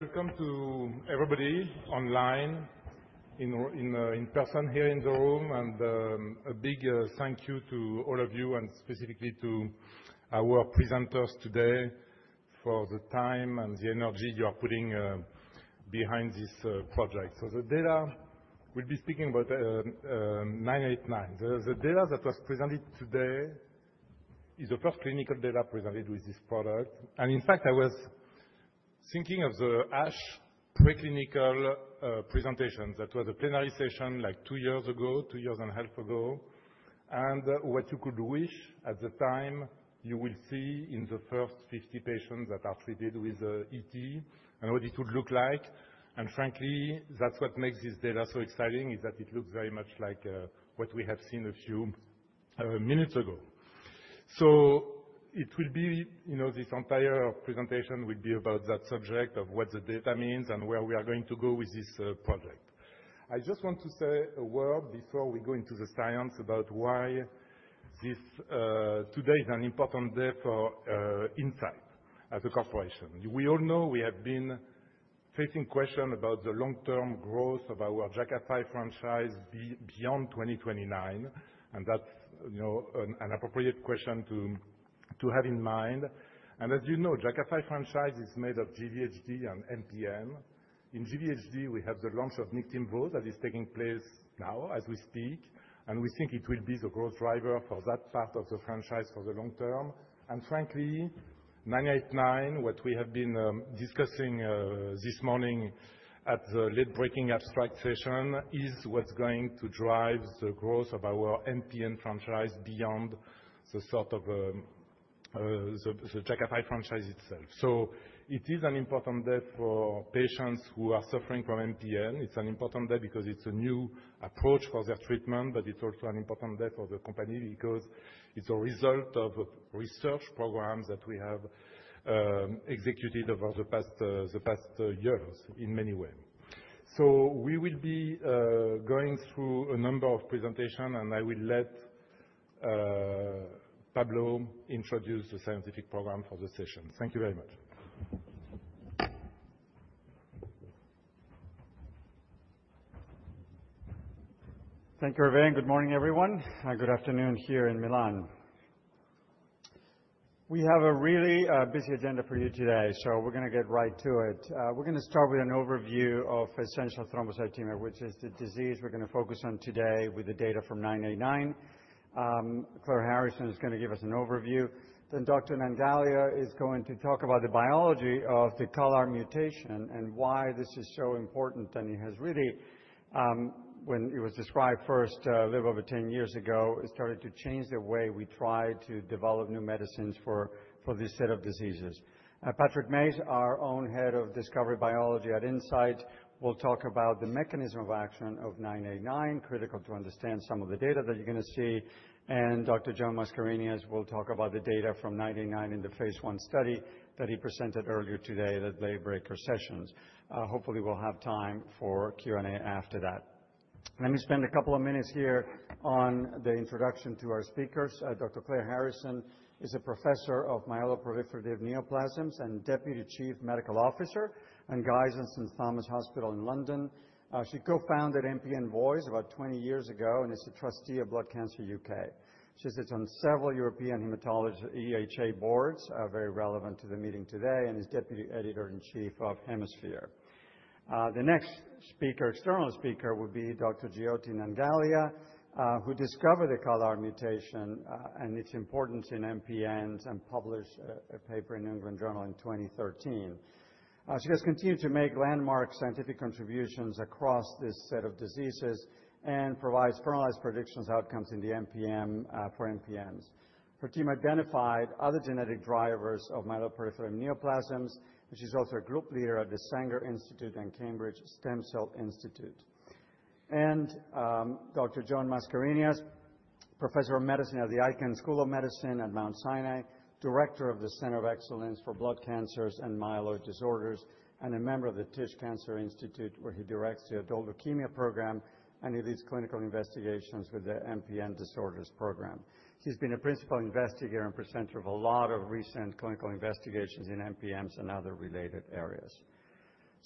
Welcome to everybody online, in person, here in the room. A big thank you to all of you, and specifically to our presenters today, for the time and the energy you are putting behind this project. The data we'll be speaking about is 989. The data that was presented today is the first clinical data presented with this product. In fact, I was thinking of the ASH preclinical presentation that was a plenary session like two years ago, two and a half years ago. What you could wish at the time, you will see in the first 50 patients that are treated with ET, and what it would look like. Frankly, that's what makes this data so exciting, is that it looks very much like what we have seen a few minutes ago. It will be this entire presentation will be about that subject of what the data means and where we are going to go with this project. I just want to say a word before we go into the science about why this today is an important day for Incyte as a corporation. We all know we have been facing questions about the long-term growth of our Jakafi franchise beyond 2029. That's an appropriate question to have in mind. As you know, the Jakafi franchise is made of GVHD and MPN. In GVHD, we have the launch of Niktimvo that is taking place now as we speak. We think it will be the growth driver for that part of the franchise for the long term. Frankly, 989, what we have been discussing this morning at the late-breaking abstract session, is what is going to drive the growth of our MPN franchise beyond the sort of the Jakafi franchise itself. It is an important day for patients who are suffering from MPN. It is an important day because it is a new approach for their treatment, but it is also an important day for the company because it is a result of research programs that we have executed over the past years in many ways. We will be going through a number of presentations, and I will let Pablo introduce the scientific program for the session. Thank you very much. Thank you, Hervé. And good morning, everyone. Good afternoon here in Milan. We have a really busy agenda for you today, so we're going to get right to it. We're going to start with an overview of essential thrombocythemia, which is the disease we're going to focus on today with the data from 989. Claire Harrison is going to give us an overview. Then Dr. Nangalia is going to talk about the biology of the CALR mutation and why this is so important. And it has really, when it was described first a little over 10 years ago, started to change the way we try to develop new medicines for this set of diseases. Patrick Mayes, our own Head of Discovery Biology at Incyte, will talk about the mechanism of action of 989, critical to understand some of the data that you're going to see. And Dr. John Mascarenhas will talk about the data from 989 in the phase I study that he presented earlier today at the late-breaker sessions. Hopefully, we'll have time for Q&A after that. Let me spend a couple of minutes here on the introduction to our speakers. Dr. Claire Harrison is a professor of myeloproliferative neoplasms and Deputy Chief Medical Officer at Guy's and St Thomas' Hospital in London. She co-founded MPN Voice about 20 years ago and is the trustee of Blood Cancer UK. She sits on several European Hematology Association boards, very relevant to the meeting today, and is Deputy Editor in Chief of Hemasphere. The next external speaker will be Dr. Jyoti Nangalia, who discovered the CALR mutation and its importance in MPNs and published a paper in the New England Journal in 2013. She has continued to make landmark scientific contributions across this set of diseases and provides finalized predictions outcomes in the MPN for MPNs. Her team identified other genetic drivers of myeloproliferative neoplasms, and she's also a group leader at the Wellcome Sanger Institute and Cambridge Stem Cell Institute. Dr. John Mascarenhas, Professor of Medicine at the Icahn School of Medicine at Mount Sinai, Director of the Center of Excellence for Blood Cancers and Myeloid Disorders, and a member of the Tisch Cancer Institute, where he directs the adult leukemia program and he leads clinical investigations with the MPN Disorders Program. He's been a principal investigator and presenter of a lot of recent clinical investigations in MPNs and other related areas.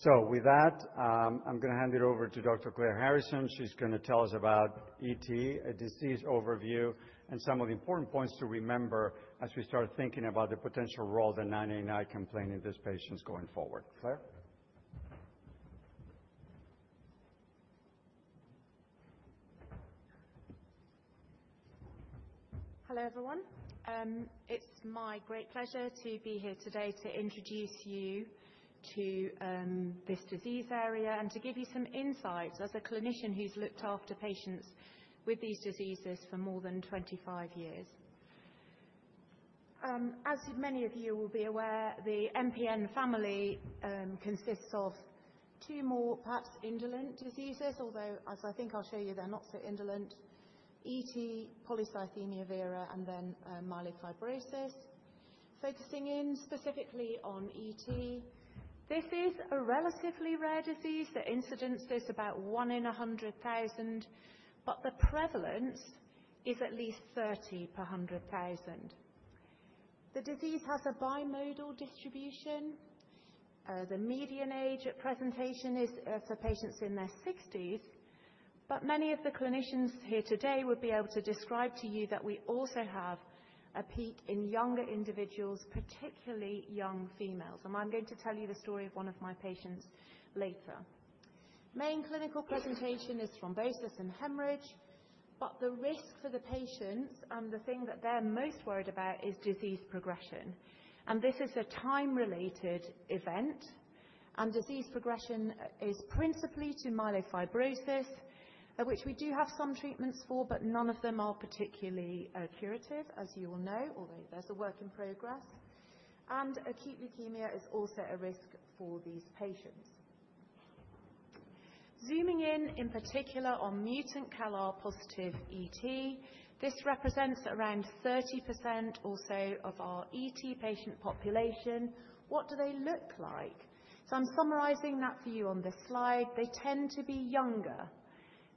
With that, I'm going to hand it over to Dr. Claire Harrison. She's going to tell us about ET, a disease overview, and some of the important points to remember as we start thinking about the potential role that 989 can play in these patients going forward. Claire? Hello, everyone. It's my great pleasure to be here today to introduce you to this disease area and to give you some insights as a clinician who's looked after patients with these diseases for more than 25 years. As many of you will be aware, the MPN family consists of two more perhaps indolent diseases, although as I think I'll show you, they're not so indolent, ET, polycythemia vera, and then myelofibrosis. Focusing in specifically on ET, this is a relatively rare disease. The incidence is about one in 100,000, but the prevalence is at least 30 per 100,000. The disease has a bimodal distribution. The median age at presentation is for patients in their 60s, but many of the clinicians here today would be able to describe to you that we also have a peak in younger individuals, particularly young females. I'm going to tell you the story of one of my patients later. The main clinical presentation is thrombosis and hemorrhage, but the risk for the patients and the thing that they're most worried about is disease progression. This is a time-related event. Disease progression is principally to myelofibrosis, which we do have some treatments for, but none of them are particularly curative, as you will know, although there's work in progress. Acute leukemia is also a risk for these patients. Zooming in in particular on mutant CALR positive ET, this represents around 30% or so of our ET patient population. What do they look like? I'm summarizing that for you on this slide. They tend to be younger.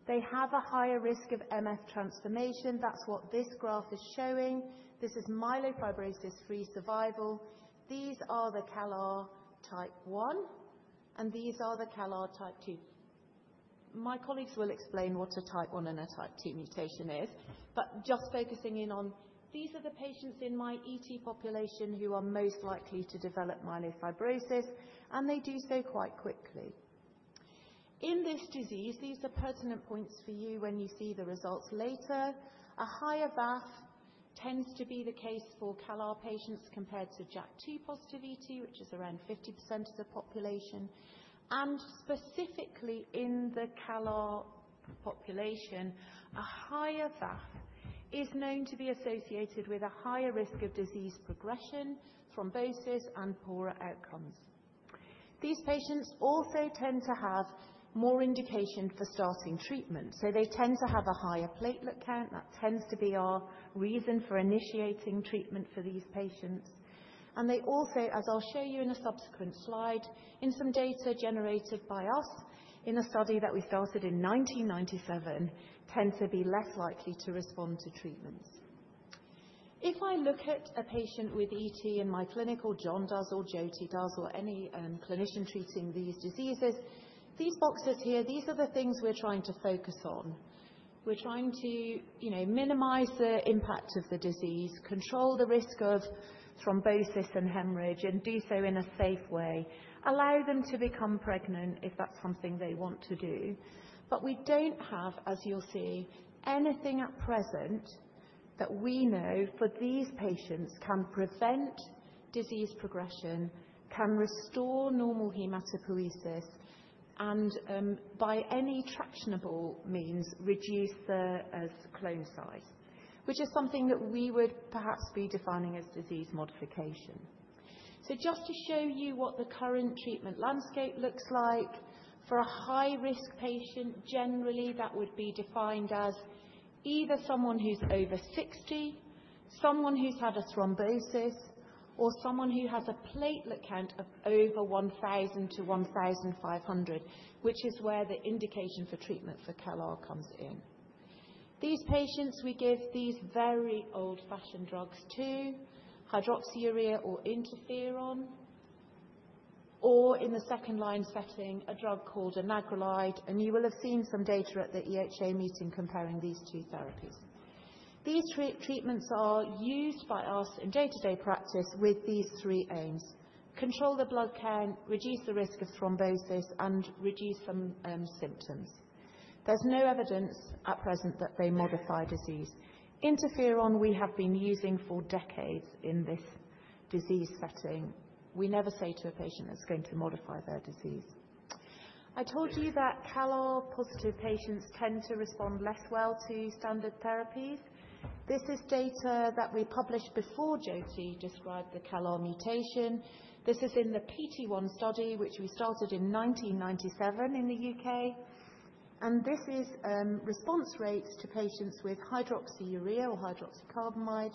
They have a higher risk of MF transformation. That's what this graph is showing. This is myelofibrosis-free survival. These are the CALR type 1, and these are the CALR type 2. My colleagues will explain what a type 1 and a type 2 mutation is, but just focusing in on these are the patients in my ET population who are most likely to develop myelofibrosis, and they do so quite quickly. In this disease, these are pertinent points for you when you see the results later. A higher VAF tends to be the case for CALR patients compared to JAK2 positive ET, which is around 50% of the population. Specifically in the CALR population, a higher VAF is known to be associated with a higher risk of disease progression, thrombosis, and poorer outcomes. These patients also tend to have more indication for starting treatment. They tend to have a higher platelet count. That tends to be our reason for initiating treatment for these patients. They also, as I'll show you in a subsequent slide, in some data generated by us in a study that we started in 1997, tend to be less likely to respond to treatments. If I look at a patient with ET in my clinic, or John does, or Jyoti does, or any clinician treating these diseases, these boxes here, these are the things we're trying to focus on. We're trying to minimize the impact of the disease, control the risk of thrombosis and hemorrhage, and do so in a safe way, allow them to become pregnant if that's something they want to do. We do not have, as you'll see, anything at present that we know for these patients can prevent disease progression, can restore normal hematopoiesis, and by any tractionable means reduce the clone size, which is something that we would perhaps be defining as disease modification. Just to show you what the current treatment landscape looks like, for a high-risk patient, generally, that would be defined as either someone who's over 60, someone who's had a thrombosis, or someone who has a platelet count of over 1,000-1,500, which is where the indication for treatment for CALR comes in. These patients, we give these very old-fashioned drugs to, hydroxyurea or interferon, or in the second-line setting, a drug called anagrelide. You will have seen some data at the EHA meeting comparing these two therapies. These treatments are used by us in day-to-day practice with these three aims: control the blood count, reduce the risk of thrombosis, and reduce some symptoms. There's no evidence at present that they modify disease. Interferon, we have been using for decades in this disease setting. We never say to a patient it's going to modify their disease. I told you that CALR positive patients tend to respond less well to standard therapies. This is data that we published before Jyoti described the CALR mutation. This is in the PT1 study, which we started in 1997 in the U.K. This is response rates to patients with hydroxyurea or hydroxycarbamide,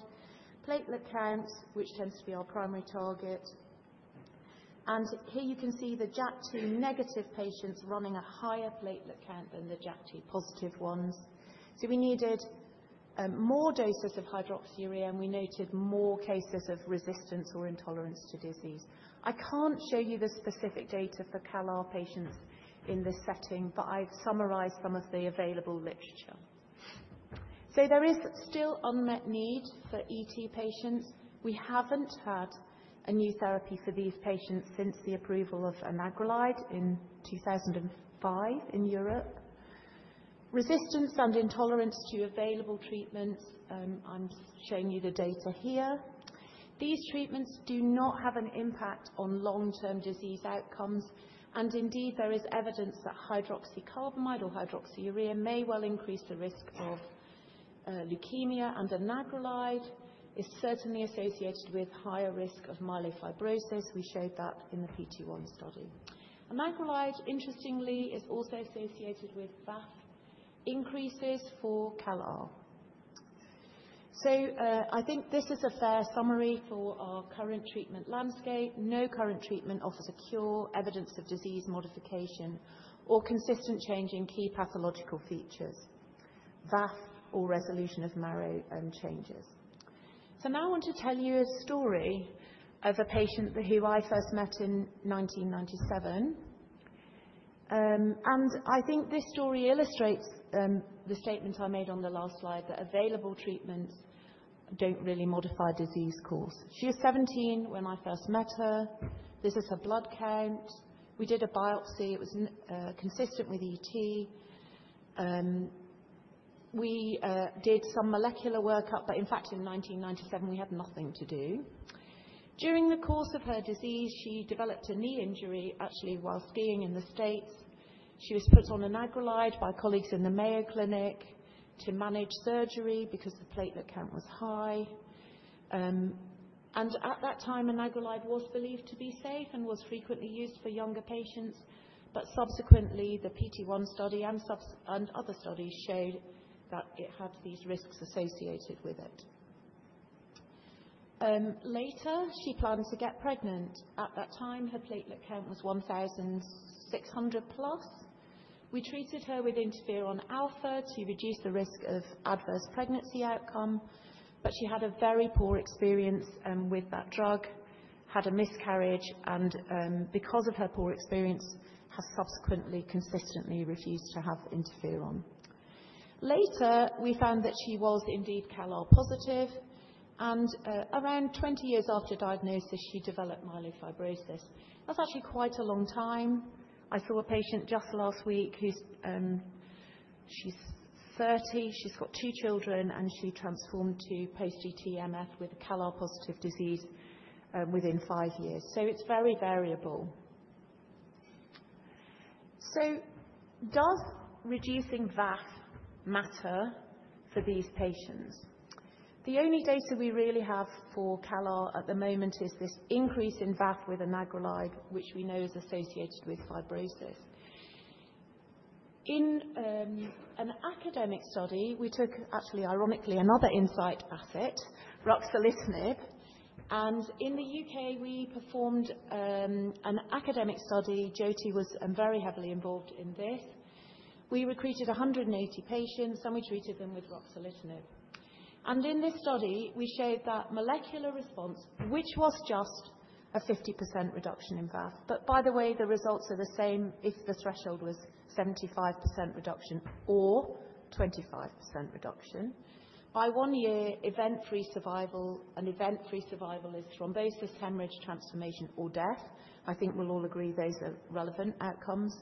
platelet counts, which tends to be our primary target. Here you can see the JAK2 negative patients running a higher platelet count than the JAK2 positive ones. We needed more doses of hydroxyurea, and we noted more cases of resistance or intolerance to disease. I can't show you the specific data for CALR patients in this setting, but I've summarized some of the available literature. There is still unmet need for ET patients. We haven't had a new therapy for these patients since the approval of anagrelide in 2005 in Europe. Resistance and intolerance to available treatments, I'm showing you the data here. These treatments do not have an impact on long-term disease outcomes. Indeed, there is evidence that hydroxycarbamide or hydroxyurea may well increase the risk of leukemia, and anagrelide is certainly associated with higher risk of myelofibrosis. We showed that in the PT1 study. Anagrelide, interestingly, is also associated with VAF increases for CALR. I think this is a fair summary for our current treatment landscape. No current treatment offers a cure, evidence of disease modification, or consistent change in key pathological features, VAF or resolution of marrow changes. Now I want to tell you a story of a patient who I first met in 1997. I think this story illustrates the statement I made on the last slide, that available treatments don't really modify disease course. She was 17 when I first met her. This is her blood count. We did a biopsy. It was consistent with ET. We did some molecular workup, but in fact, in 1997, we had nothing to do. During the course of her disease, she developed a knee injury, actually while skiing in the States. She was put on anagrelide by colleagues in the Mayo Clinic to manage surgery because the platelet count was high. At that time, anagrelide was believed to be safe and was frequently used for younger patients. Subsequently, the PT1 study and other studies showed that it had these risks associated with it. Later, she planned to get pregnant. At that time, her platelet count was 1,600 plus. We treated her with interferon alpha to reduce the risk of adverse pregnancy outcome, but she had a very poor experience with that drug, had a miscarriage, and because of her poor experience, has subsequently consistently refused to have interferon. Later, we found that she was indeed CALR positive. Around 20 years after diagnosis, she developed myelofibrosis. That is actually quite a long time. I saw a patient just last week who is 30. She has two children, and she transformed to post-GT MF with CALR positive disease within five years. It is very variable. Does reducing VAF matter for these patients? The only data we really have for CALR at the moment is this increase in VAF with anagrelide, which we know is associated with fibrosis. In an academic study, we took actually, ironically, another Incyte asset, ruxolitinib. In the U.K., we performed an academic study. Jyoti was very heavily involved in this. We recruited 180 patients, and we treated them with ruxolitinib. In this study, we showed that molecular response, which was just a 50% reduction in VAF, but by the way, the results are the same if the threshold was 75% reduction or 25% reduction. By one year, event-free survival, and event-free survival is thrombosis, hemorrhage, transformation, or death. I think we'll all agree those are relevant outcomes.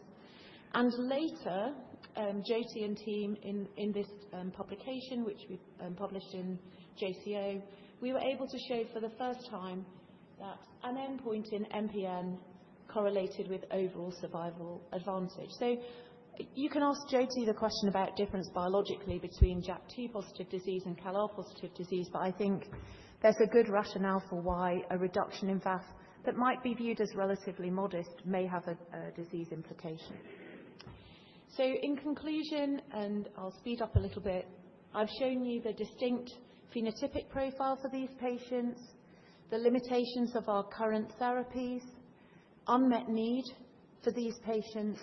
Later, Jyoti and team in this publication, which we published in JCO, we were able to show for the first time that an endpoint in MPN correlated with overall survival advantage. You can ask Jyoti the question about difference biologically between JAK2 positive disease and CALR positive disease, but I think there's a good rationale for why a reduction in VAF that might be viewed as relatively modest may have a disease implication. In conclusion, and I'll speed up a little bit, I've shown you the distinct phenotypic profile for these patients, the limitations of our current therapies, unmet need for these patients,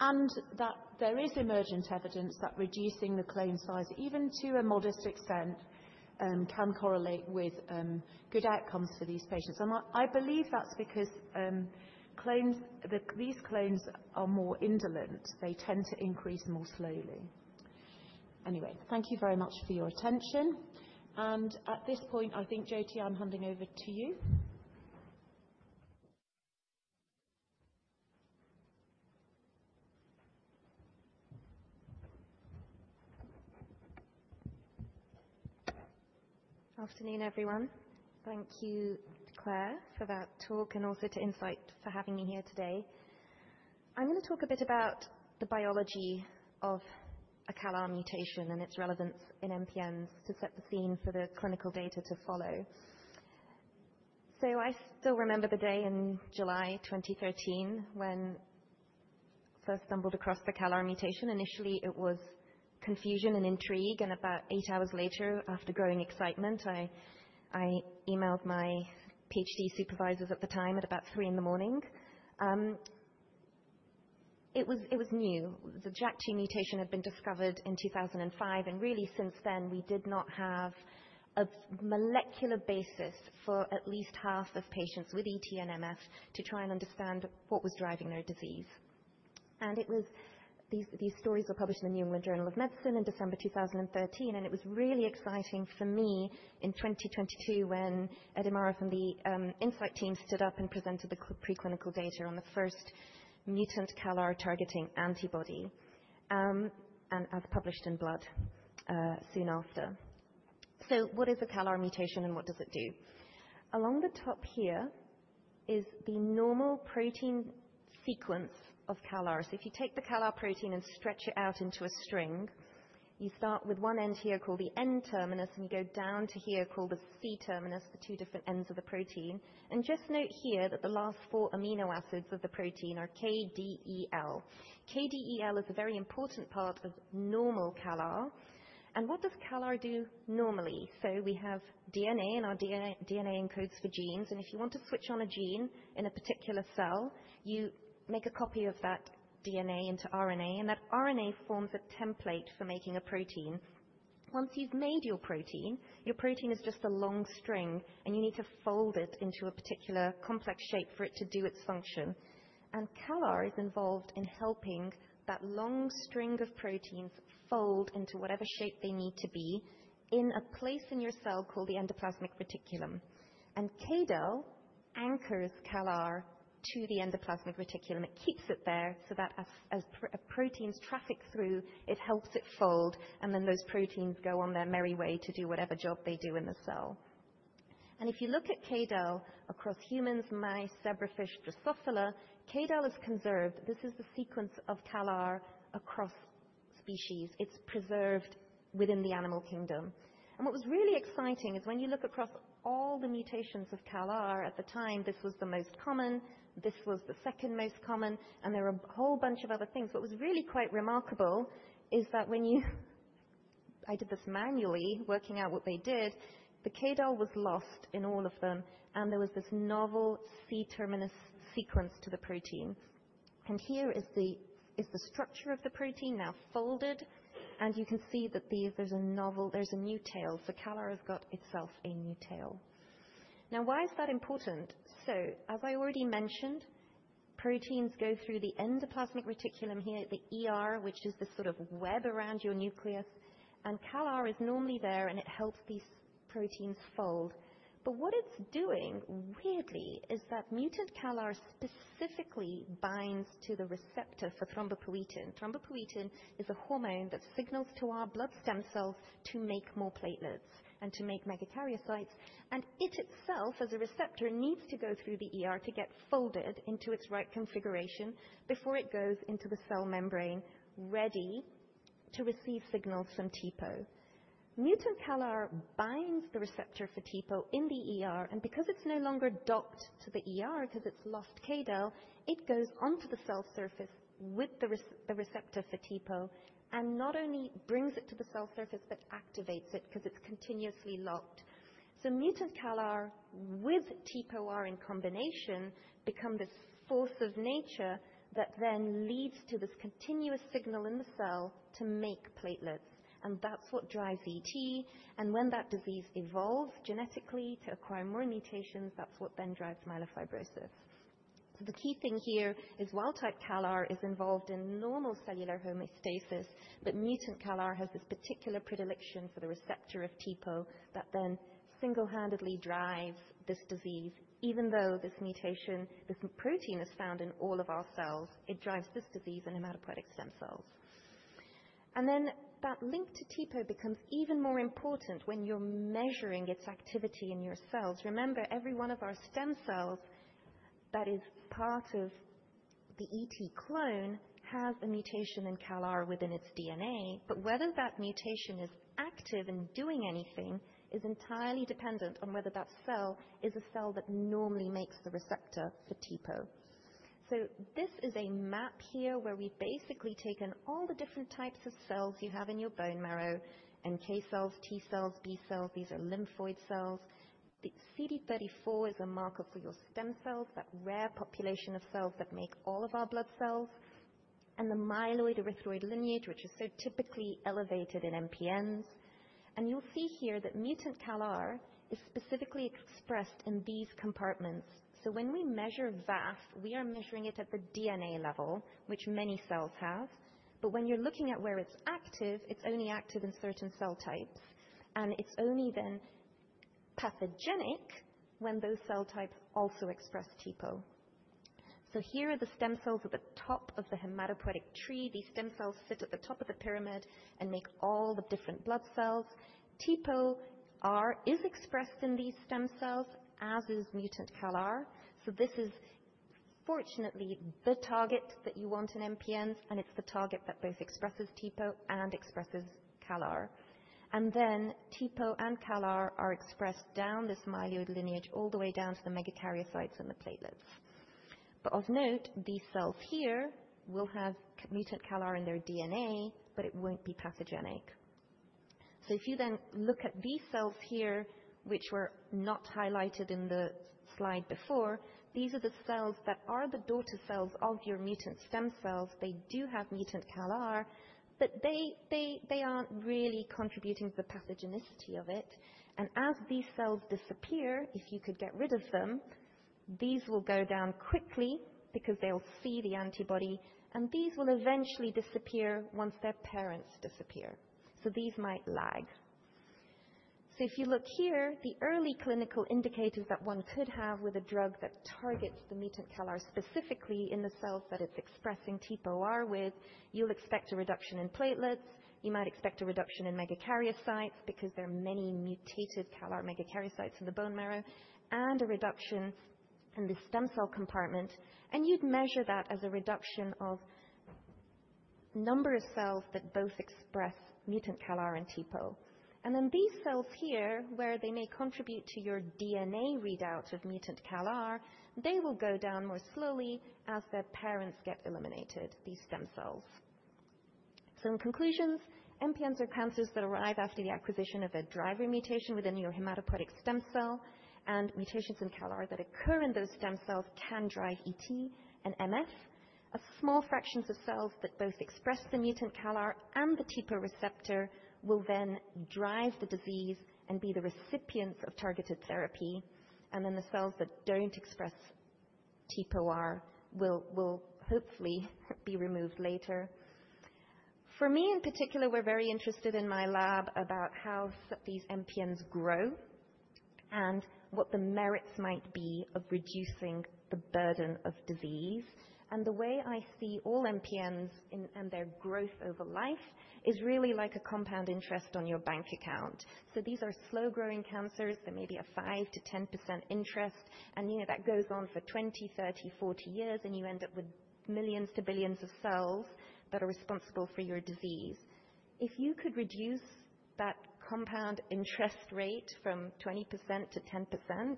and that there is emergent evidence that reducing the clone size, even to a modest extent, can correlate with good outcomes for these patients. I believe that's because these clones are more indolent. They tend to increase more slowly. Anyway, thank you very much for your attention. At this point, I think, Jyoti, I'm handing over to you. Good afternoon, everyone. Thank you, Claire, for that talk, and also to Incyte for having me here today. I'm going to talk a bit about the biology of a CALR mutation and its relevance in MPNs to set the scene for the clinical data to follow. I still remember the day in July 2013 when I first stumbled across the CALR mutation. Initially, it was confusion and intrigue. About eight hours later, after growing excitement, I emailed my PhD supervisors at the time at about 3:00 A.M. It was new. The JAK2 mutation had been discovered in 2005. Really, since then, we did not have a molecular basis for at least half of patients with ET and MF to try and understand what was driving their disease. These stories were published in the New England Journal of Medicine in December 2013. It was really exciting for me in 2022 when Eddie Murra from the Incyte team stood up and presented the preclinical data on the first mutant CALR targeting antibody and as published in Blood soon after. What is a CALR mutation and what does it do? Along the top here is the normal protein sequence of CALR. If you take the CALR protein and stretch it out into a string, you start with one end here called the N-terminus, and you go down to here called the C-terminus, the two different ends of the protein. Just note here that the last four amino acids of the protein are K, D, E, L. K, D, E, L is a very important part of normal CALR. What does CALR do normally? We have DNA, and our DNA encodes for genes. If you want to switch on a gene in a particular cell, you make a copy of that DNA into RNA. That RNA forms a template for making a protein. Once you've made your protein, your protein is just a long string, and you need to fold it into a particular complex shape for it to do its function. CALR is involved in helping that long string of proteins fold into whatever shape they need to be in a place in your cell called the endoplasmic reticulum. KDEL anchors CALR to the endoplasmic reticulum. It keeps it there so that as proteins traffic through, it helps it fold, and then those proteins go on their merry way to do whatever job they do in the cell. If you look at KDEL across humans, mice, zebrafish, Drosophila, KDEL is conserved. This is the sequence of CALR across species. It is preserved within the animal kingdom. What was really exciting is when you look across all the mutations of CALR at the time, this was the most common. This was the second most common. There were a whole bunch of other things. What was really quite remarkable is that when you—I did this manually, working out what they did—the KDEL was lost in all of them, and there was this novel C-terminus sequence to the protein. Here is the structure of the protein now folded. You can see that there is a new tail. CALR has got itself a new tail. Now, why is that important? As I already mentioned, proteins go through the endoplasmic reticulum here, which is this sort of web around your nucleus. CALR is normally there, and it helps these proteins fold. What it's doing, weirdly, is that mutant CALR specifically binds to the receptor for thrombopoietin. Thrombopoietin is a hormone that signals to our blood stem cells to make more platelets and to make megakaryocytes. It itself, as a receptor, needs to go through the to get folded into its right configuration before it goes into the cell membrane ready to receive signals from TPO. Mutant CALR binds the receptor for TPO in the. Because it's no longer docked to the, because it's lost KDEL, it goes onto the cell surface with the receptor for TPO and not only brings it to the cell surface, but activates it because it's continuously locked. Mutant CALR with TPOR in combination become this force of nature that then leads to this continuous signal in the cell to make platelets. That's what drives ET. When that disease evolves genetically to acquire more mutations, that's what then drives myelofibrosis. The key thing here is, while type CALR is involved in normal cellular homeostasis, that mutant CALR has this particular predilection for the receptor of TPO that then single-handedly drives this disease. Even though this mutation, this protein, is found in all of our cells, it drives this disease in hematopoietic stem cells. That link to TPO becomes even more important when you're measuring its activity in your cells. Remember, every one of our stem cells that is part of the ET clone has a mutation in CALR within its DNA. Whether that mutation is active and doing anything is entirely dependent on whether that cell is a cell that normally makes the receptor for TPO. This is a map here where we've basically taken all the different types of cells you have in your bone marrow: NK cells, T cells, B cells. These are lymphoid cells. The CD34 is a marker for your stem cells, that rare population of cells that make all of our blood cells, and the myeloid erythroid lineage, which is so typically elevated in MPNs. You'll see here that mutant CALR is specifically expressed in these compartments. When we measure VAF, we are measuring it at the DNA level, which many cells have. When you're looking at where it's active, it's only active in certain cell types. It's only then pathogenic when those cell types also express TPO. Here are the stem cells at the top of the hematopoietic tree. These stem cells sit at the top of the pyramid and make all the different blood cells. TPOR is expressed in these stem cells, as is mutant CALR. This is, fortunately, the target that you want in MPNs, and it is the target that both expresses TPO and expresses CALR. TPO and CALR are expressed down this myeloid lineage all the way down to the megakaryocytes and the platelets. Of note, these cells here will have mutant CALR in their DNA, but it will not be pathogenic. If you then look at these cells here, which were not highlighted in the slide before, these are the cells that are the daughter cells of your mutant stem cells. They do have mutant CALR, but they are not really contributing to the pathogenicity of it. As these cells disappear, if you could get rid of them, these will go down quickly because they'll see the antibody. These will eventually disappear once their parents disappear. These might lag. If you look here, the early clinical indicators that one could have with a drug that targets the mutant CALR specifically in the cells that it's expressing TPOR with, you'll expect a reduction in platelets. You might expect a reduction in megakaryocytes because there are many mutated CALR megakaryocytes in the bone marrow and a reduction in the stem cell compartment. You'd measure that as a reduction of the number of cells that both express mutant CALR and TPO. These cells here, where they may contribute to your DNA readout of mutant CALR, will go down more slowly as their parents get eliminated, these stem cells. In conclusions, MPNs are cancers that arrive after the acquisition of a driver mutation within your hematopoietic stem cell. Mutations in CALR that occur in those stem cells can drive ET and MF. A small fraction of cells that both express the mutant CALR and the TPO receptor will then drive the disease and be the recipients of targeted therapy. The cells that do not express TPOR will hopefully be removed later. For me, in particular, we are very interested in my lab about how these MPNs grow and what the merits might be of reducing the burden of disease. The way I see all MPNs and their growth over life is really like a compound interest on your bank account. These are slow-growing cancers. There may be a 5%-10% interest. That goes on for 20, 30, 40 years, and you end up with millions to billions of cells that are responsible for your disease. If you could reduce that compound interest rate from 20% to 10%,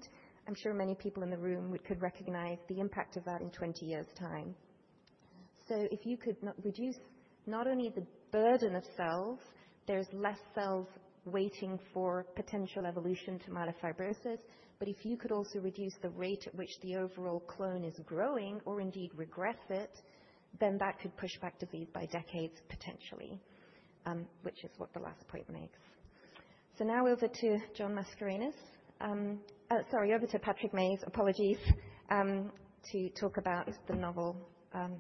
I'm sure many people in the room could recognize the impact of that in 20 years' time. If you could reduce not only the burden of cells, there are less cells waiting for potential evolution to myelofibrosis. If you could also reduce the rate at which the overall clone is growing or indeed regress it, then that could push back disease by decades, potentially, which is what the last point makes. Now over to John Mascarenhas. Sorry, over to Patrick Mayes, apologies, to talk about the novel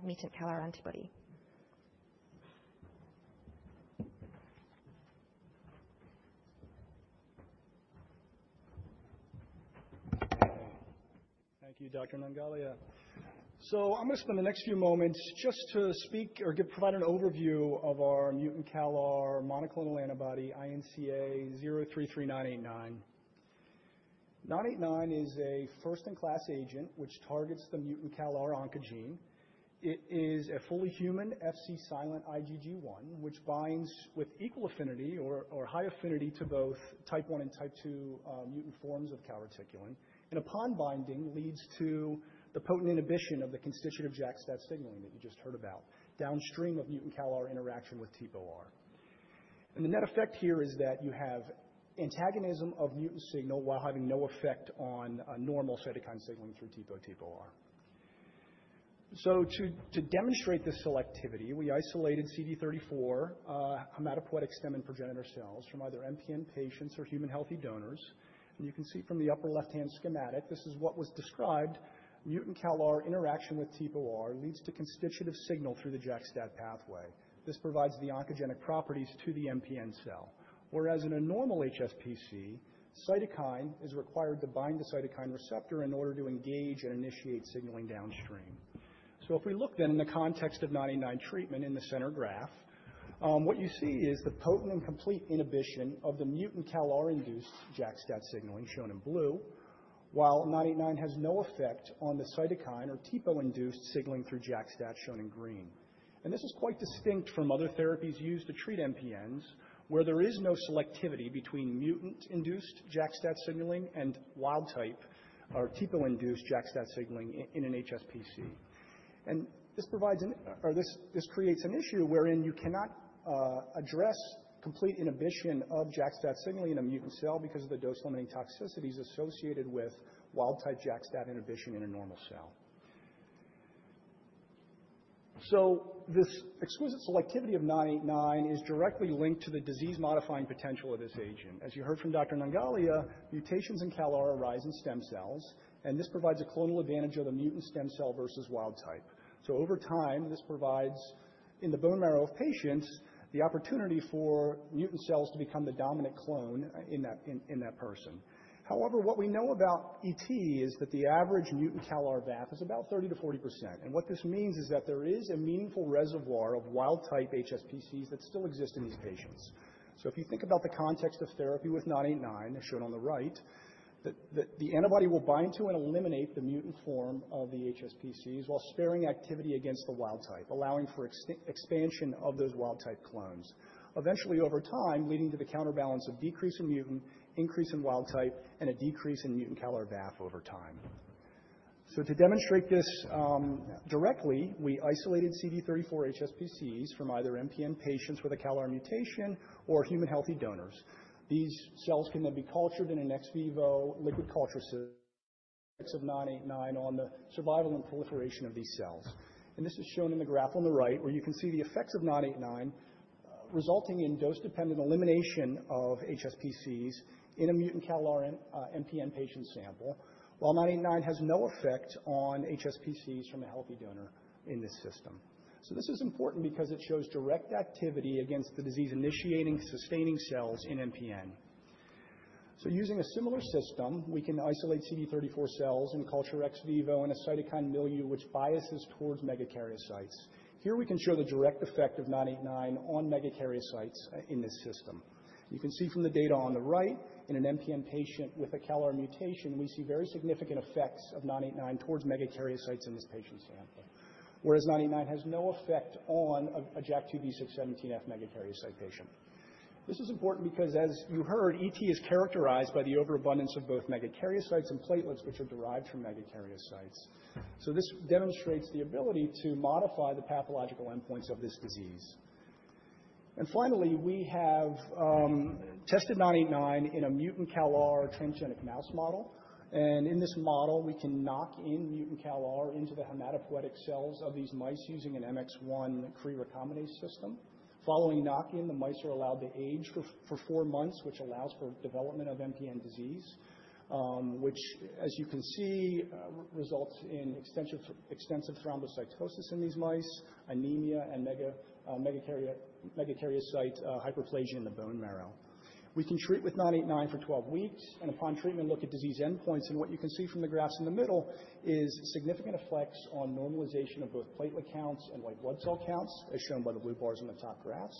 mutant CALR antibody. Thank you, Dr. Nangalia. I'm going to spend the next few moments just to speak or provide an overview of our mutant CALR monoclonal antibody, INCA033989. 989 is a first-in-class agent which targets the mutant CALR oncogene. It is a fully human FC silent IgG1, which binds with equal affinity or high affinity to both type 1 and type 2 mutant forms of calreticulin. Upon binding, it leads to the potent inhibition of the constitutive JAK-STAT signaling that you just heard about downstream of mutant CALR interaction with TPOR. The net effect here is that you have antagonism of mutant signal while having no effect on normal cytokine signaling through TPO/TPOR. To demonstrate this selectivity, we isolated CD34 hematopoietic stem and progenitor cells from either MPN patients or human healthy donors. You can see from the upper left-hand schematic, this is what was described. Mutant CALR interaction with TPOR leads to constitutive signal through the JAK-STAT pathway. This provides the oncogenic properties to the MPN cell. Whereas in a normal HSPC, cytokine is required to bind the cytokine receptor in order to engage and initiate signaling downstream. If we look then in the context of 989 treatment in the center graph, what you see is the potent and complete inhibition of the mutant CALR-induced JAK-STAT signaling shown in blue, while 989 has no effect on the cytokine or TPO-induced signaling through JAK-STAT shown in green. This is quite distinct from other therapies used to treat MPNs, where there is no selectivity between mutant-induced JAK-STAT signaling and wild-type or TPO-induced JAK-STAT signaling in an HSPC. This creates an issue wherein you cannot address complete inhibition of JAK-STAT signaling in a mutant cell because of the dose-limiting toxicities associated with wild-type JAK-STAT inhibition in a normal cell. This exquisite selectivity of 989 is directly linked to the disease-modifying potential of this agent. As you heard from Dr. Nangalia, mutations in CALR arise in stem cells. This provides a clonal advantage of the mutant stem cell versus wild-type. Over time, this provides, in the bone marrow of patients, the opportunity for mutant cells to become the dominant clone in that person. However, what we know about ET is that the average mutant CALR VAF is about 30%-40%. What this means is that there is a meaningful reservoir of wild-type HSPCs that still exist in these patients. If you think about the context of therapy with 989, as shown on the right, the antibody will bind to and eliminate the mutant form of the HSPCs while sparing activity against the wild-type, allowing for expansion of those wild-type clones, eventually over time leading to the counterbalance of decrease in mutant, increase in wild-type, and a decrease in mutant CALR VAF over time. To demonstrate this directly, we isolated CD34 HSPCs from either MPN patients with a CALR mutation or human healthy donors. These cells can then be cultured in an ex vivo liquid culture series of 989 on the survival and proliferation of these cells. This is shown in the graph on the right, where you can see the effects of 989 resulting in dose-dependent elimination of HSPCs in a mutant CALR MPN patient sample, while 989 has no effect on HSPCs from a healthy donor in this system. This is important because it shows direct activity against the disease-initiating sustaining cells in MPN. Using a similar system, we can isolate CD34 cells and culture ex vivo in a cytokine milieu which biases towards megakaryocytes. Here we can show the direct effect of 989 on megakaryocytes in this system. You can see from the data on the right, in an MPN patient with a CALR mutation, we see very significant effects of 989 towards megakaryocytes in this patient's sample, whereas 989 has no effect on a JAK2V617F megakaryocyte patient. This is important because, as you heard, ET is characterized by the overabundance of both megakaryocytes and platelets, which are derived from megakaryocytes. This demonstrates the ability to modify the pathological endpoints of this disease. Finally, we have tested 989 in a mutant CALR transgenic mouse model. In this model, we can knock in mutant CALR into the hematopoietic cells of these mice using an MX-1 CRE recombinase system. Following knock-in, the mice are allowed to age for four months, which allows for development of MPN disease, which, as you can see, results in extensive thrombocytosis in these mice, anemia, and megakaryocyte hyperplasia in the bone marrow. We can treat with 989 for 12 weeks. Upon treatment, look at disease endpoints. What you can see from the graphs in the middle is significant effects on normalization of both platelet counts and white blood cell counts, as shown by the blue bars on the top graphs,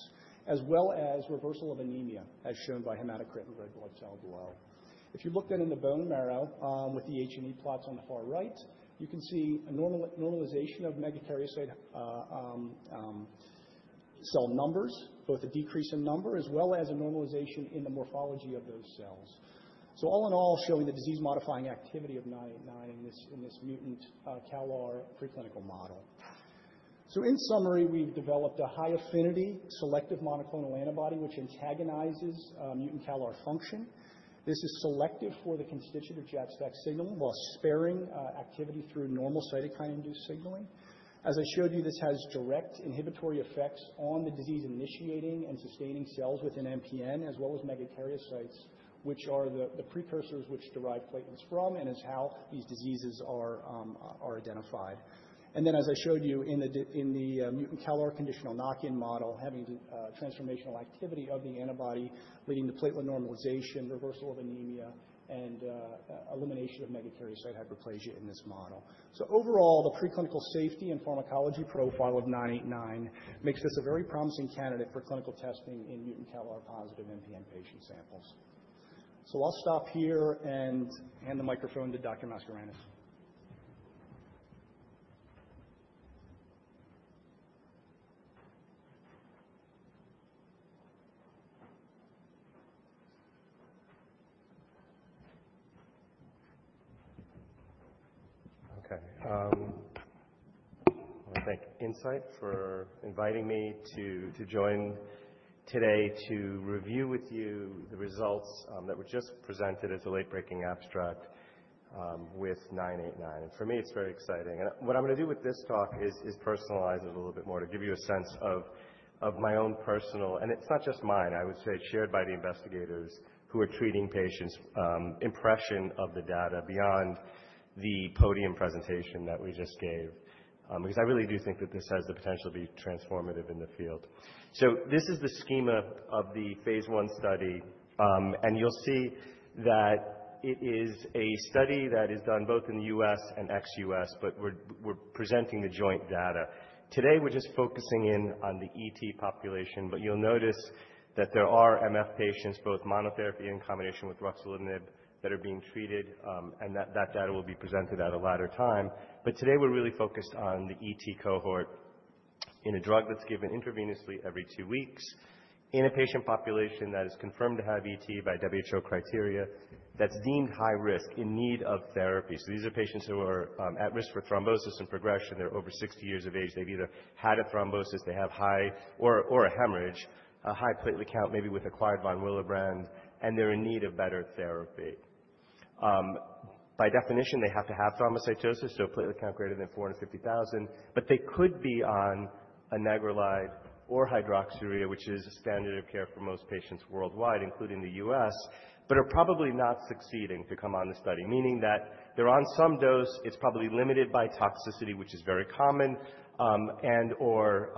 as well as reversal of anemia, as shown by hematocrit and red blood cell below. If you look then in the bone marrow with the H&E plots on the far right, you can see a normalization of megakaryocyte cell numbers, both a decrease in number as well as a normalization in the morphology of those cells. All in all, showing the disease-modifying activity of 989 in this mutant CALR preclinical model. In summary, we've developed a high-affinity selective monoclonal antibody which antagonizes mutant CALR function. This is selective for the constitutive JAK-STAT signaling while sparing activity through normal cytokine-induced signaling. As I showed you, this has direct inhibitory effects on the disease-initiating and sustaining cells within MPN as well as megakaryocytes, which are the precursors which derive platelets from and is how these diseases are identified. As I showed you in the mutant CALR conditional knock-in model, having transformational activity of the antibody leading to platelet normalization, reversal of anemia, and elimination of megakaryocyte hyperplasia in this model. Overall, the preclinical safety and pharmacology profile of 989 makes this a very promising candidate for clinical testing in mutant CALR-positive MPN patient samples. I'll stop here and hand the microphone to Dr. Mascarenhas. Okay. I want to thank Incyte for inviting me to join today to review with you the results that were just presented as a late-breaking abstract with 989. For me, it's very exciting. What I'm going to do with this talk is personalize it a little bit more to give you a sense of my own personal—and it's not just mine. I would say it's shared by the investigators who are treating patients' impression of the data beyond the podium presentation that we just gave because I really do think that this has the potential to be transformative in the field. This is the schema of the phase I study. You'll see that it is a study that is done both in the U.S. and ex U.S., but we're presenting the joint data. Today, we're just focusing in on the ET population. You'll notice that there are MF patients, both monotherapy in combination with ruxolitinib, that are being treated. That data will be presented at a later time. Today, we're really focused on the ET cohort in a drug that's given intravenously every two weeks in a patient population that is confirmed to have ET by WHO criteria that's deemed high risk in need of therapy. These are patients who are at risk for thrombosis and progression. They're over 60 years of age. They've either had a thrombosis, they have high—or a hemorrhage, a high platelet count, maybe with acquired von Willebrand. They're in need of better therapy. By definition, they have to have thrombocytosis, so a platelet count greater than 450,000. They could be on anagrelide or hydroxyurea, which is a standard of care for most patients worldwide, including the U.S., but are probably not succeeding to come on the study, meaning that they're on some dose. It's probably limited by toxicity, which is very common, and/or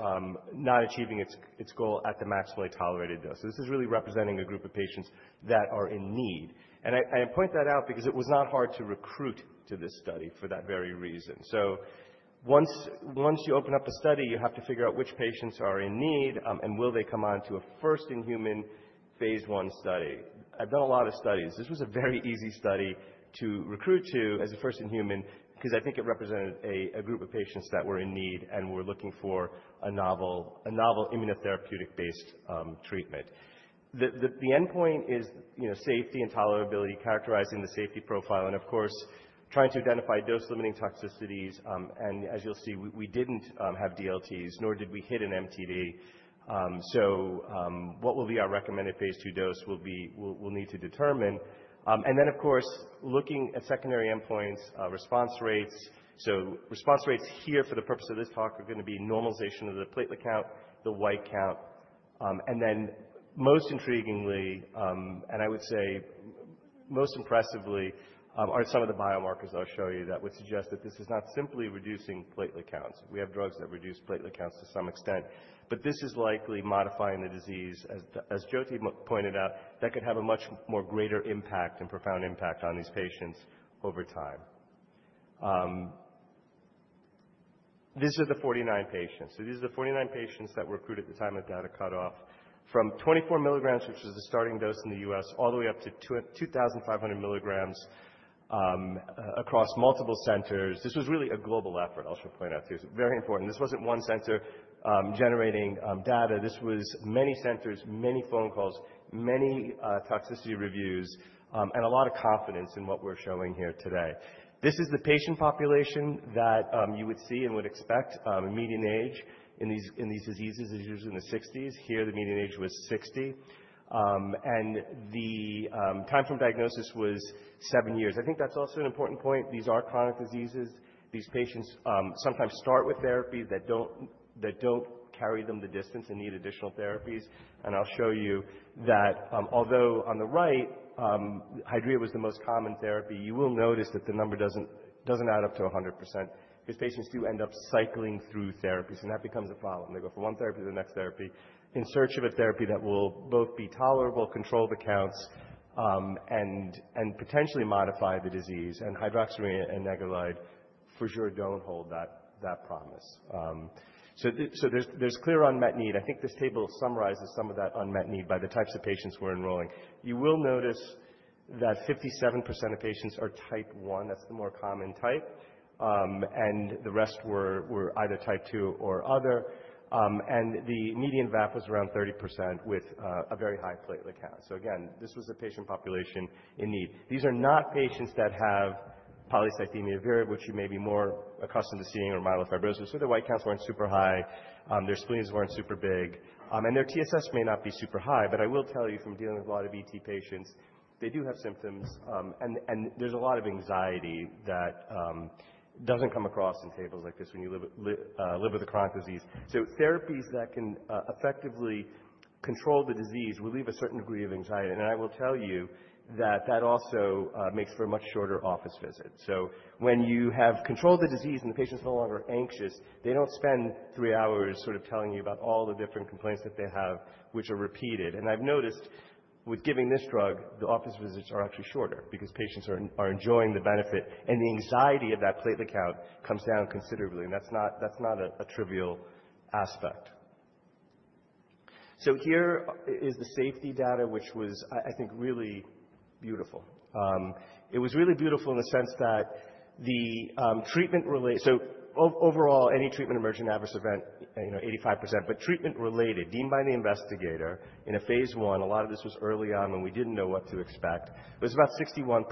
not achieving its goal at the maximally tolerated dose. This is really representing a group of patients that are in need. I point that out because it was not hard to recruit to this study for that very reason. Once you open up a study, you have to figure out which patients are in need and will they come on to a first-in-human phase I study. I've done a lot of studies. This was a very easy study to recruit to as a first-in-human because I think it represented a group of patients that were in need and were looking for a novel immunotherapeutic-based treatment. The endpoint is safety and tolerability, characterizing the safety profile and, of course, trying to identify dose-limiting toxicities. As you'll see, we did not have DLTs, nor did we hit an MTD. What will be our recommended phase II dose will need to determine. Of course, looking at secondary endpoints, response rates. Response rates here for the purpose of this talk are going to be normalization of the platelet count, the white count. Most intriguingly, and I would say most impressively, are some of the biomarkers I'll show you that would suggest that this is not simply reducing platelet counts. We have drugs that reduce platelet counts to some extent. This is likely modifying the disease. As Jyoti pointed out, that could have a much greater impact and profound impact on these patients over time. These are the 49 patients. These are the 49 patients that were recruited at the time of data cutoff from 24 milligrams, which was the starting dose in the U.S., all the way up to 2,500 milligrams across multiple centers. This was really a global effort, I'll just point out. It is very important. This was not one center generating data. This was many centers, many phone calls, many toxicity reviews, and a lot of confidence in what we are showing here today. This is the patient population that you would see and would expect. A median age in these diseases is usually in the 60s. Here, the median age was 60. The time from diagnosis was seven years. I think that's also an important point. These are chronic diseases. These patients sometimes start with therapy that don't carry them the distance and need additional therapies. I'll show you that although on the right, hydroxyurea was the most common therapy, you will notice that the number doesn't add up to 100% because patients do end up cycling through therapies. That becomes a problem. They go from one therapy to the next therapy in search of a therapy that will both be tolerable, control the counts, and potentially modify the disease. Hydroxyurea and anagrelide for sure don't hold that promise. There's clear unmet need. I think this table summarizes some of that unmet need by the types of patients we're enrolling. You will notice that 57% of patients are type 1. That's the more common type. The rest were either type 2 or other. The median VAF was around 30% with a very high platelet count. Again, this was a patient population in need. These are not patients that have polycythemia vera, which you may be more accustomed to seeing, or myelofibrosis. Their white counts were not super high. Their spleens were not super big. Their TSS may not be super high. I will tell you, from dealing with a lot of ET patients, they do have symptoms. There is a lot of anxiety that does not come across in tables like this when you live with a chronic disease. Therapies that can effectively control the disease relieve a certain degree of anxiety. I will tell you that that also makes for a much shorter office visit. When you have controlled the disease and the patient's no longer anxious, they don't spend three hours sort of telling you about all the different complaints that they have, which are repeated. I've noticed with giving this drug, the office visits are actually shorter because patients are enjoying the benefit. The anxiety of that platelet count comes down considerably. That's not a trivial aspect. Here is the safety data, which was, I think, really beautiful. It was really beautiful in the sense that the treatment-related—so overall, any treatment emergent adverse event, 85%. Treatment-related, deemed by the investigator in a phase I, a lot of this was early on when we didn't know what to expect. It was about 61%.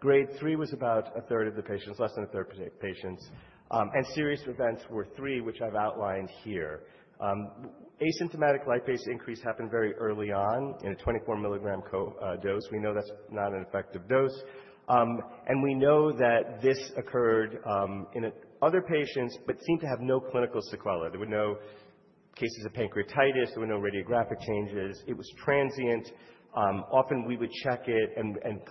Grade 3 was about 1/3 of the patients, less than 1/3 of the patients. Serious events were 3, which I've outlined here. Asymptomatic lipase increase happened very early on in a 24 milligram dose. We know that's not an effective dose. We know that this occurred in other patients but seemed to have no clinical sequelae. There were no cases of pancreatitis. There were no radiographic changes. It was transient. Often, we would check it.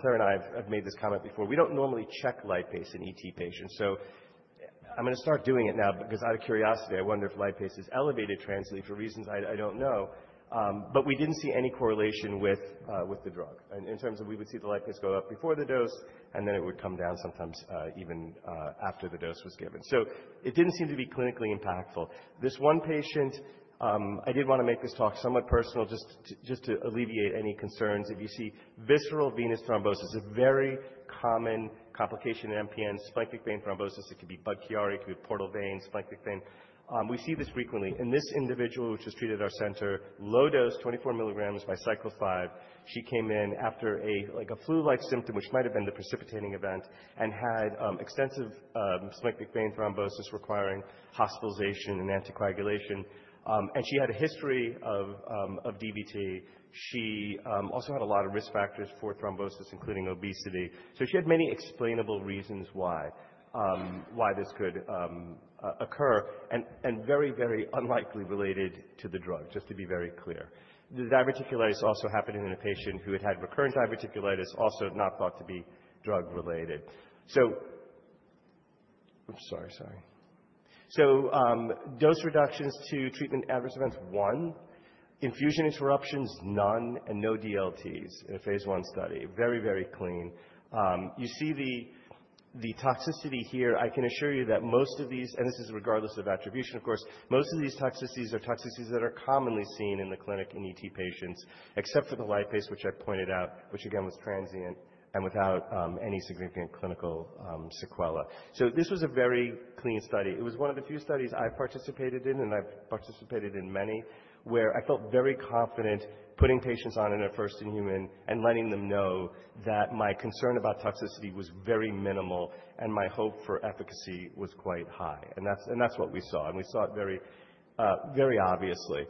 Claire and I have made this comment before. We don't normally check lipase in ET patients. I'm going to start doing it now because, out of curiosity, I wonder if lipase is elevated transiently for reasons I don't know. We didn't see any correlation with the drug in terms of we would see the lipase go up before the dose, and then it would come down sometimes even after the dose was given. It didn't seem to be clinically impactful. This one patient, I did want to make this talk somewhat personal just to alleviate any concerns. If you see visceral venous thrombosis, a very common complication in MPN, splenic vein thrombosis. It could be Budd-Chiari. It could be portal vein, splenic vein. We see this frequently. In this individual, which was treated at our center, low dose, 24 milligrams by cycle five, she came in after a flu-like symptom, which might have been the precipitating event, and had extensive splenic vein thrombosis requiring hospitalization and anticoagulation. She had a history of DVT. She also had a lot of risk factors for thrombosis, including obesity. She had many explainable reasons why this could occur and very, very unlikely related to the drug, just to be very clear. The diverticulitis also happened in a patient who had had recurrent diverticulitis, also not thought to be drug-related. I'm sorry, sorry. Dose reductions to treatment adverse events, one. Infusion interruptions, none, and no DLTs in a phase I study. Very, very clean. You see the toxicity here. I can assure you that most of these—and this is regardless of attribution, of course—most of these toxicities are toxicities that are commonly seen in the clinic in ET patients, except for the lipase, which I pointed out, which again was transient and without any significant clinical sequelae. This was a very clean study. It was one of the few studies I've participated in, and I've participated in many, where I felt very confident putting patients on in a first-in-human and letting them know that my concern about toxicity was very minimal and my hope for efficacy was quite high. That's what we saw. We saw it very obviously.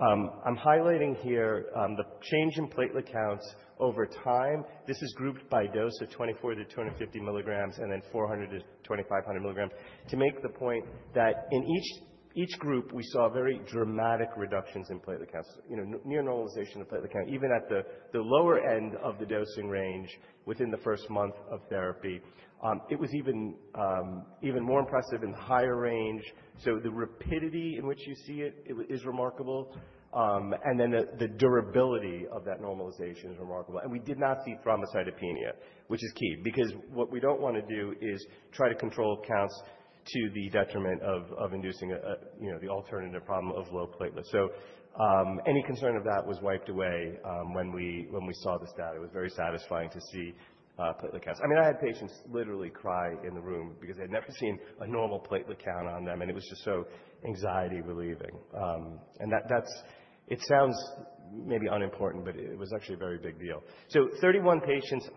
I'm highlighting here the change in platelet counts over time. This is grouped by dose of 24-250 milligrams and then 400-2,500 milligrams to make the point that in each group, we saw very dramatic reductions in platelet counts, near normalization of platelet count, even at the lower end of the dosing range within the first month of therapy. It was even more impressive in the higher range. The rapidity in which you see it is remarkable. The durability of that normalization is remarkable. We did not see thrombocytopenia, which is key because what we don't want to do is try to control counts to the detriment of inducing the alternative problem of low platelets. Any concern of that was wiped away when we saw this data. It was very satisfying to see platelet counts. I mean, I had patients literally cry in the room because they had never seen a normal platelet count on them. It was just so anxiety-relieving. It sounds maybe unimportant, but it was actually a very big deal. Thirty-one patients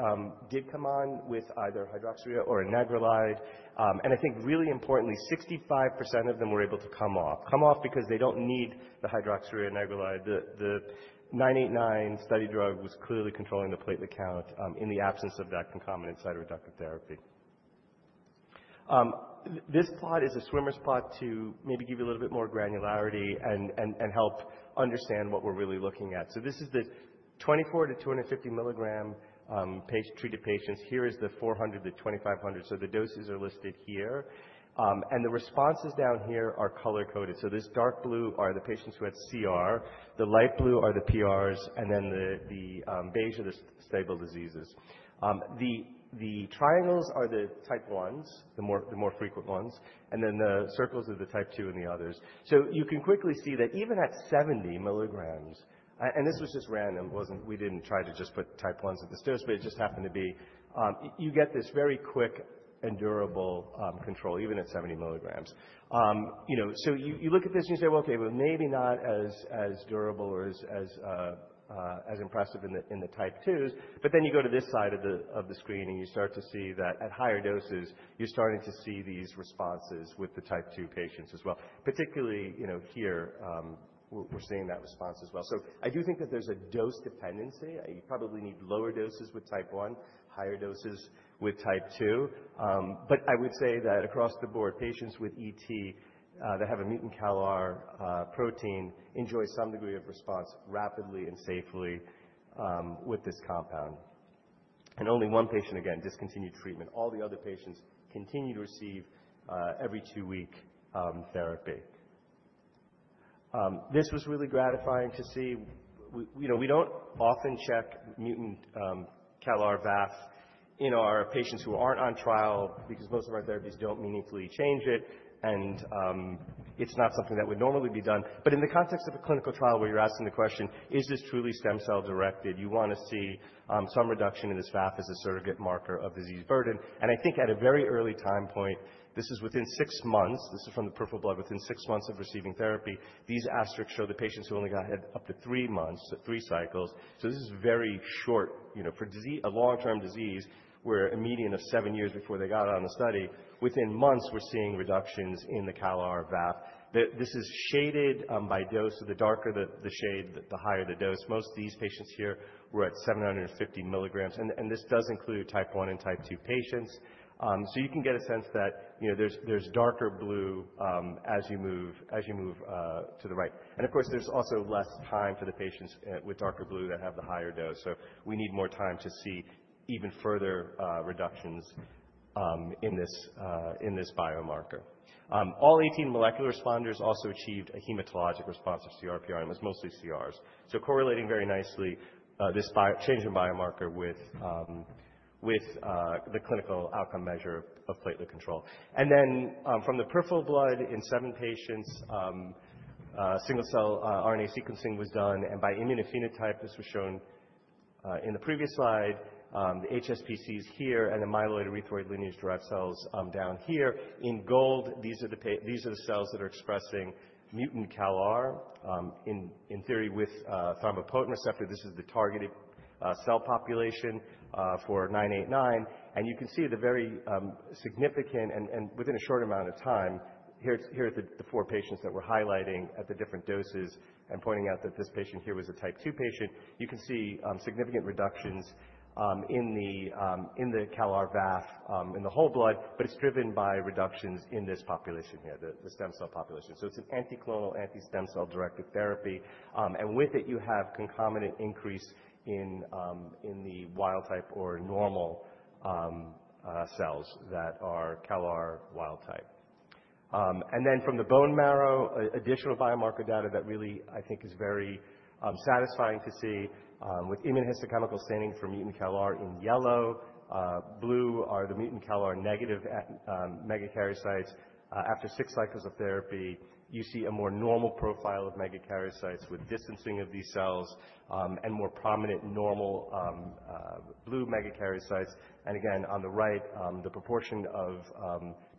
did come on with either hydroxyurea or anagrelide. I think, really importantly, 65% of them were able to come off, come off because they do not need the hydroxyurea and anagrelide. The 989 study drug was clearly controlling the platelet count in the absence of that concomitant cytoreductive therapy. This plot is a swimmer's plot to maybe give you a little bit more granularity and help understand what we are really looking at. This is the 24-250 milligram treated patients. Here is the 400-2,500. The doses are listed here. The responses down here are color-coded. This dark blue are the patients who had CR. The light blue are the PRs. The beige are the stable diseases. The triangles are the type 1s, the more frequent ones. The circles are the type 2 and the others. You can quickly see that even at 70 milligrams—and this was just random. We did not try to just put type 1s at the stairs, but it just happened to be—you get this very quick and durable control, even at 70 milligrams. You look at this and you say, "Okay, maybe not as durable or as impressive in the type 2s." You go to this side of the screen and you start to see that at higher doses, you are starting to see these responses with the type 2 patients as well. Particularly here, we are seeing that response as well. I do think that there's a dose dependency. You probably need lower doses with type 1, higher doses with type 2. I would say that across the board, patients with ET that have a mutant CALR protein enjoy some degree of response rapidly and safely with this compound. Only one patient, again, discontinued treatment. All the other patients continue to receive every two-week therapy. This was really gratifying to see. We do not often check mutant CALR VAF in our patients who are not on trial because most of our therapies do not meaningfully change it. It is not something that would normally be done. In the context of a clinical trial where you are asking the question, "Is this truly stem cell directed?" you want to see some reduction in this VAF as a surrogate marker of disease burden. I think at a very early time point, this is within six months. This is from the peripheral blood within six months of receiving therapy. These asterisks show the patients who only had up to three months, so three cycles. This is very short. For a long-term disease, where a median of seven years before they got on the study, within months, we're seeing reductions in the CALR VAF. This is shaded by dose. The darker the shade, the higher the dose. Most of these patients here were at 750 milligrams. This does include type 1 and type 2 patients. You can get a sense that there's darker blue as you move to the right. Of course, there's also less time for the patients with darker blue that have the higher dose. We need more time to see even further reductions in this biomarker. All 18 molecular responders also achieved a hematologic response of CRPR. It was mostly CRs. Correlating very nicely, this change in biomarker with the clinical outcome measure of platelet control. From the peripheral blood in seven patients, single-cell RNA sequencing was done. By immunophenotype, this was shown in the previous slide. The HSPCs here and the myeloid erythroid lineage derived cells down here. In gold, these are the cells that are expressing mutant CALR in theory with thrombopoietin receptor. This is the targeted cell population for 989. You can see the very significant and within a short amount of time, here are the four patients that we're highlighting at the different doses and pointing out that this patient here was a type 2 patient. You can see significant reductions in the CALR VAF in the whole blood. It is driven by reductions in this population here, the stem cell population. It is an anticlonal, anti-stem cell directed therapy. With it, you have concomitant increase in the wild type or normal cells that are CALR wild type. From the bone marrow, additional biomarker data that really, I think, is very satisfying to see with immunohistochemical staining for mutant CALR in yellow. Blue are the mutant CALR negative megakaryocytes. After six cycles of therapy, you see a more normal profile of megakaryocytes with distancing of these cells and more prominent normal blue megakaryocytes. Again, on the right, the proportion of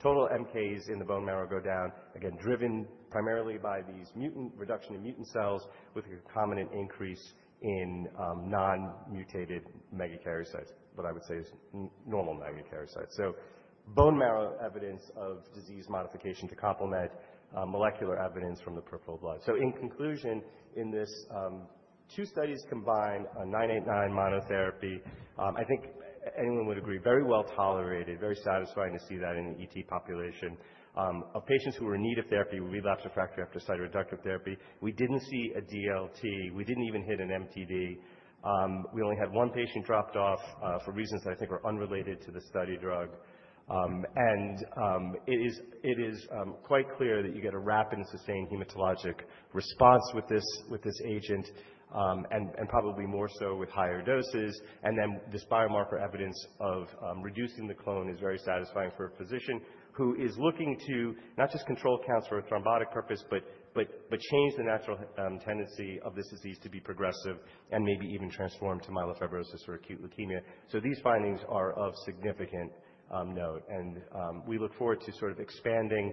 total MKs in the bone marrow go down, again, driven primarily by these reduction in mutant cells with a concomitant increase in non-mutated megakaryocytes, what I would say is normal megakaryocytes. Bone marrow evidence of disease modification to complement molecular evidence from the peripheral blood. In conclusion, in these two studies combined, 989 monotherapy, I think anyone would agree, very well tolerated, very satisfying to see that in the ET population of patients who were in need of therapy, relapsed refractory after cytoreductive therapy. We did not see a DLT. We did not even hit an MTD. We only had one patient drop off for reasons that I think are unrelated to the study drug. It is quite clear that you get a rapid and sustained hematologic response with this agent and probably more so with higher doses. This biomarker evidence of reducing the clone is very satisfying for a physician who is looking to not just control counts for a thrombotic purpose but change the natural tendency of this disease to be progressive and maybe even transform to myelofibrosis or acute leukemia. These findings are of significant note. We look forward to sort of expanding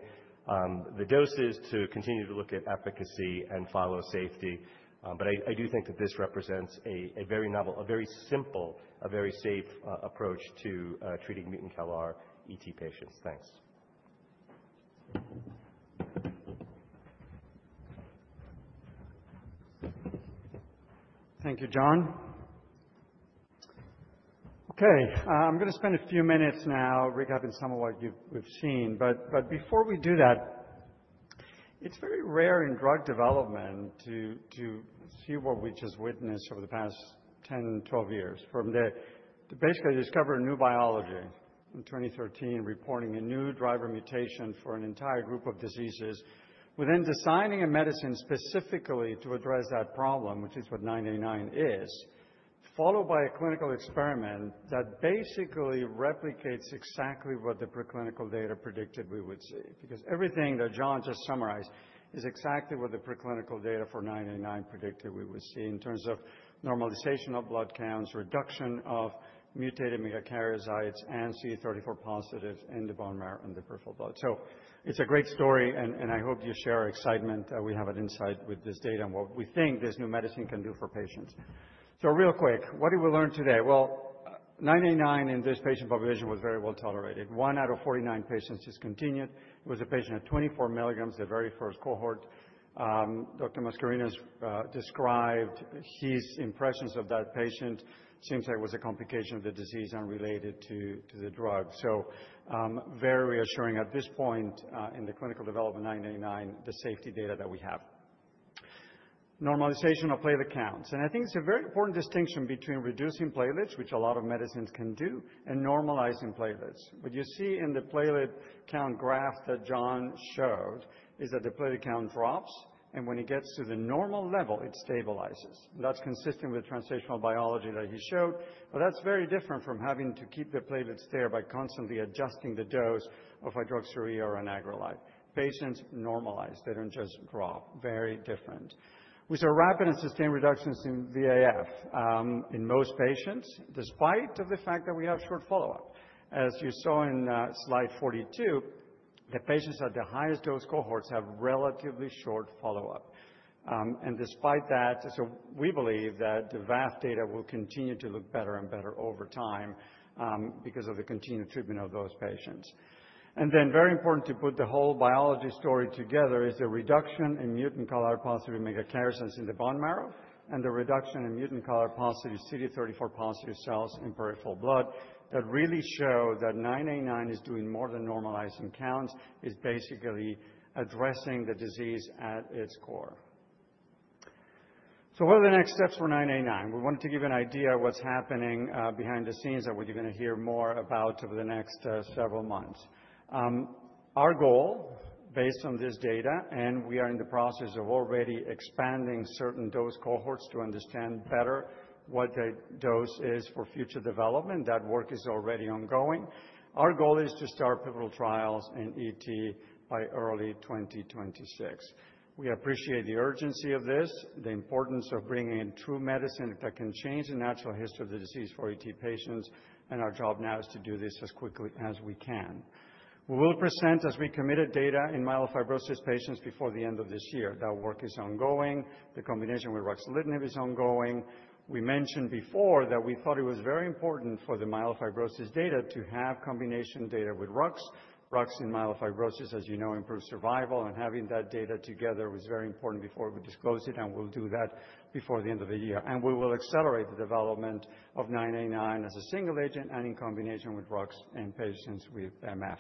the doses to continue to look at efficacy and follow safety. I do think that this represents a very simple, a very safe approach to treating mutant CALR ET patients. Thanks. Thank you, John. Okay. I'm going to spend a few minutes now recapping some of what we've seen. Before we do that, it's very rare in drug development to see what we just witnessed over the past 10-12 years from basically discovering new biology in 2013, reporting a new driver mutation for an entire group of diseases, within designing a medicine specifically to address that problem, which is what 989 is, followed by a clinical experiment that basically replicates exactly what the preclinical data predicted we would see. Everything that John just summarized is exactly what the preclinical data for 989 predicted we would see in terms of normalization of blood counts, reduction of mutated megakaryocytes and CD34 positives in the bone marrow and the peripheral blood. It's a great story. I hope you share excitement that we have an insight with this data and what we think this new medicine can do for patients. Real quick, what did we learn today? 989 in this patient population was very well tolerated. One out of 49 patients discontinued. It was a patient at 24 milligrams in the very first cohort. Dr. Mascarenhas described his impressions of that patient. It seems like it was a complication of the disease unrelated to the drug. Very reassuring at this point in the clinical development of 989, the safety data that we have. Normalization of platelet counts. I think it's a very important distinction between reducing platelets, which a lot of medicines can do, and normalizing platelets. What you see in the platelet count graph that John showed is that the platelet count drops. When it gets to the normal level, it stabilizes. That is consistent with the translational biology that he showed. That is very different from having to keep the platelets there by constantly adjusting the dose of hydroxyurea or anagrelide. Patients normalize. They do not just drop. Very different. We saw rapid and sustained reductions in VAF in most patients, despite the fact that we have short follow-up. As you saw in slide 42, the patients at the highest dose cohorts have relatively short follow-up. Despite that, we believe that the VAF data will continue to look better and better over time because of the continued treatment of those patients. It is very important to put the whole biology story together. The reduction in mutant CALR-positive megakaryocytes in the bone marrow and the reduction in mutant CALR-positive CD34-positive cells in peripheral blood really show that 989 is doing more than normalizing counts. It is basically addressing the disease at its core. What are the next steps for 989? We wanted to give you an idea of what is happening behind the scenes that we are going to hear more about over the next several months. Our goal, based on this data, and we are in the process of already expanding certain dose cohorts to understand better what the dose is for future development. That work is already ongoing. Our goal is to start pivotal trials in ET by early 2026. We appreciate the urgency of this, the importance of bringing in true medicine that can change the natural history of the disease for ET patients. Our job now is to do this as quickly as we can. We will present as we commit data in myelofibrosis patients before the end of this year. That work is ongoing. The combination with ruxolitinib is ongoing. We mentioned before that we thought it was very important for the myelofibrosis data to have combination data with rux. Rux in myelofibrosis, as you know, improves survival. Having that data together was very important before we disclosed it. We will do that before the end of the year. We will accelerate the development of 989 as a single agent and in combination with rux in patients with MF.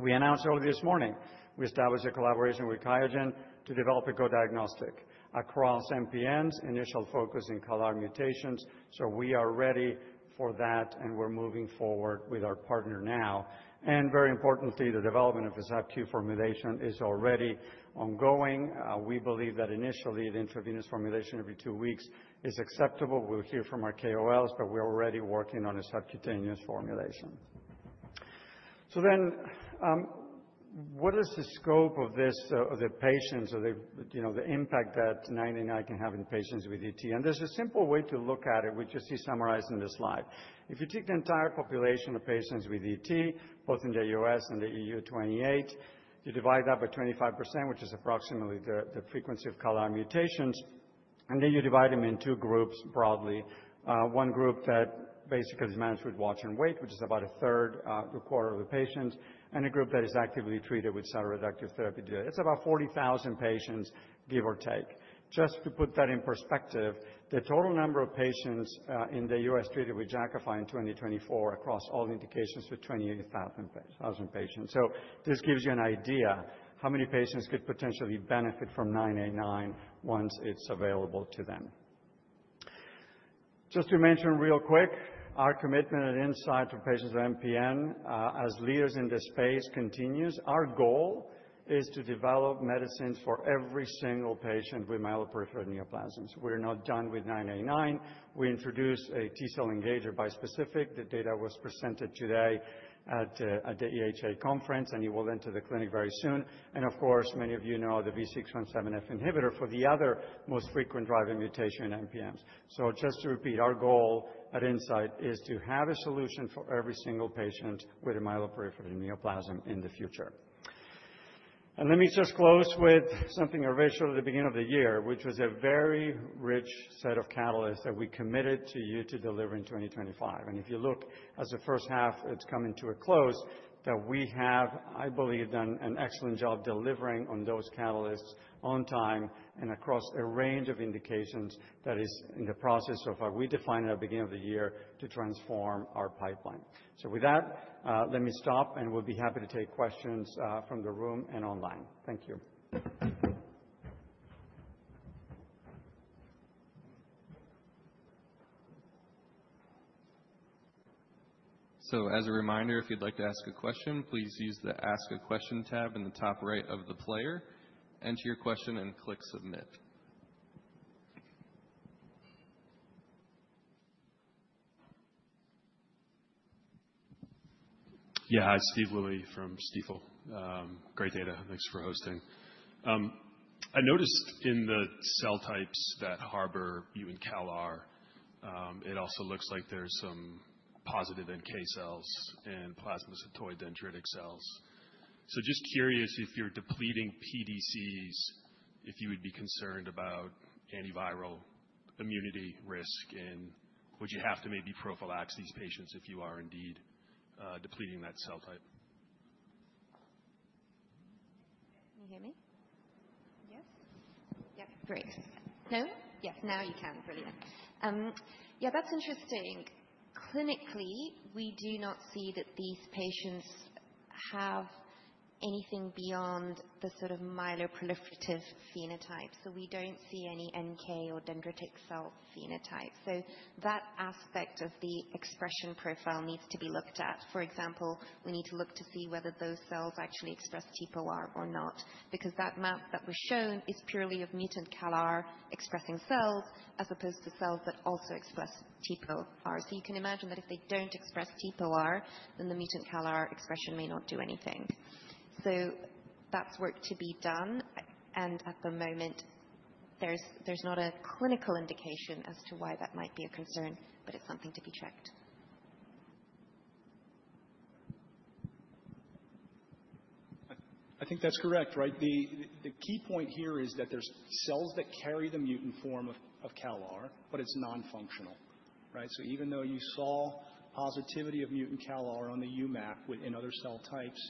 We announced earlier this morning we established a collaboration with Coyogen to develop a co-diagnostic across MPNs, initial focus in CALR mutations. We are ready for that. We are moving forward with our partner now. Very importantly, the development of a subQ formulation is already ongoing. We believe that initially, the intravenous formulation every two weeks is acceptable. We will hear from our KOLs. We are already working on a subcutaneous formulation. What is the scope of this, the patients, the impact that 989 can have in patients with ET? There is a simple way to look at it, which you see summarized in this slide. If you take the entire population of patients with ET, both in the U.S. and the EU 28, you divide that by 25%, which is approximately the frequency of CALR mutations. Then you divide them in two groups broadly. One group that basically is managed with watch and wait, which is about 1/3-1/4 of the patients, and a group that is actively treated with cytoreductive therapy. It's about 40,000 patients, give or take. Just to put that in perspective, the total number of patients in the U.S. treated with Jakafi in 2024 across all indications was 28,000 patients. This gives you an idea how many patients could potentially benefit from 989 once it's available to them. Just to mention real quick, our commitment and Incyte for patients of MPN as leaders in this space continues. Our goal is to develop medicines for every single patient with myeloproliferative neoplasms. We're not done with 989. We introduced a T cell engager bispecific. The data was presented today at the EHA conference. It will enter the clinic very soon. Of course, many of you know the V617F inhibitor for the other most frequent driver mutation in MPNs. Just to repeat, our goal at Incyte is to have a solution for every single patient with a myeloproliferative neoplasm in the future. Let me just close with something I read short at the beginning of the year, which was a very rich set of catalysts that we committed to you to deliver in 2025. If you look as the first half is coming to a close, we have, I believe, done an excellent job delivering on those catalysts on time and across a range of indications that is in the process of, we defined at the beginning of the year, to transform our pipeline. With that, let me stop. We'll be happy to take questions from the room and online. Thank you. As a reminder, if you'd like to ask a question, please use the Ask a Question tab in the top right of the player. Enter your question and click Submit. Yeah. Hi, Steve Willey from Stifel. Great data. Thanks for hosting. I noticed in the cell types that harbor mutant CALR, it also looks like there's some positive NK cells and plasmacytoid dendritic cells. Just curious if you're depleting PDCs, if you would be concerned about antiviral immunity risk, and would you have to maybe prophylax these patients if you are indeed depleting that cell type? Can you hear me? Yes? Yep. Great. No? Yes. Now you can. Brilliant. Yeah, that's interesting. Clinically, we do not see that these patients have anything beyond the sort of myeloproliferative phenotype. We do not see any NK or dendritic cell phenotype. That aspect of the expression profile needs to be looked at. For example, we need to look to see whether those cells actually express TPOR or not. Because that map that was shown is purely of mutant CALR-expressing cells as opposed to cells that also express TPOR. You can imagine that if they do not express TPOR, then the mutant CALR expression may not do anything. That is work to be done. At the moment, there is not a clinical indication as to why that might be a concern. It is something to be checked. I think that's correct. Right? The key point here is that there's cells that carry the mutant form of CALR, but it's nonfunctional. Right? Even though you saw positivity of mutant CALR on the UMAP in other cell types,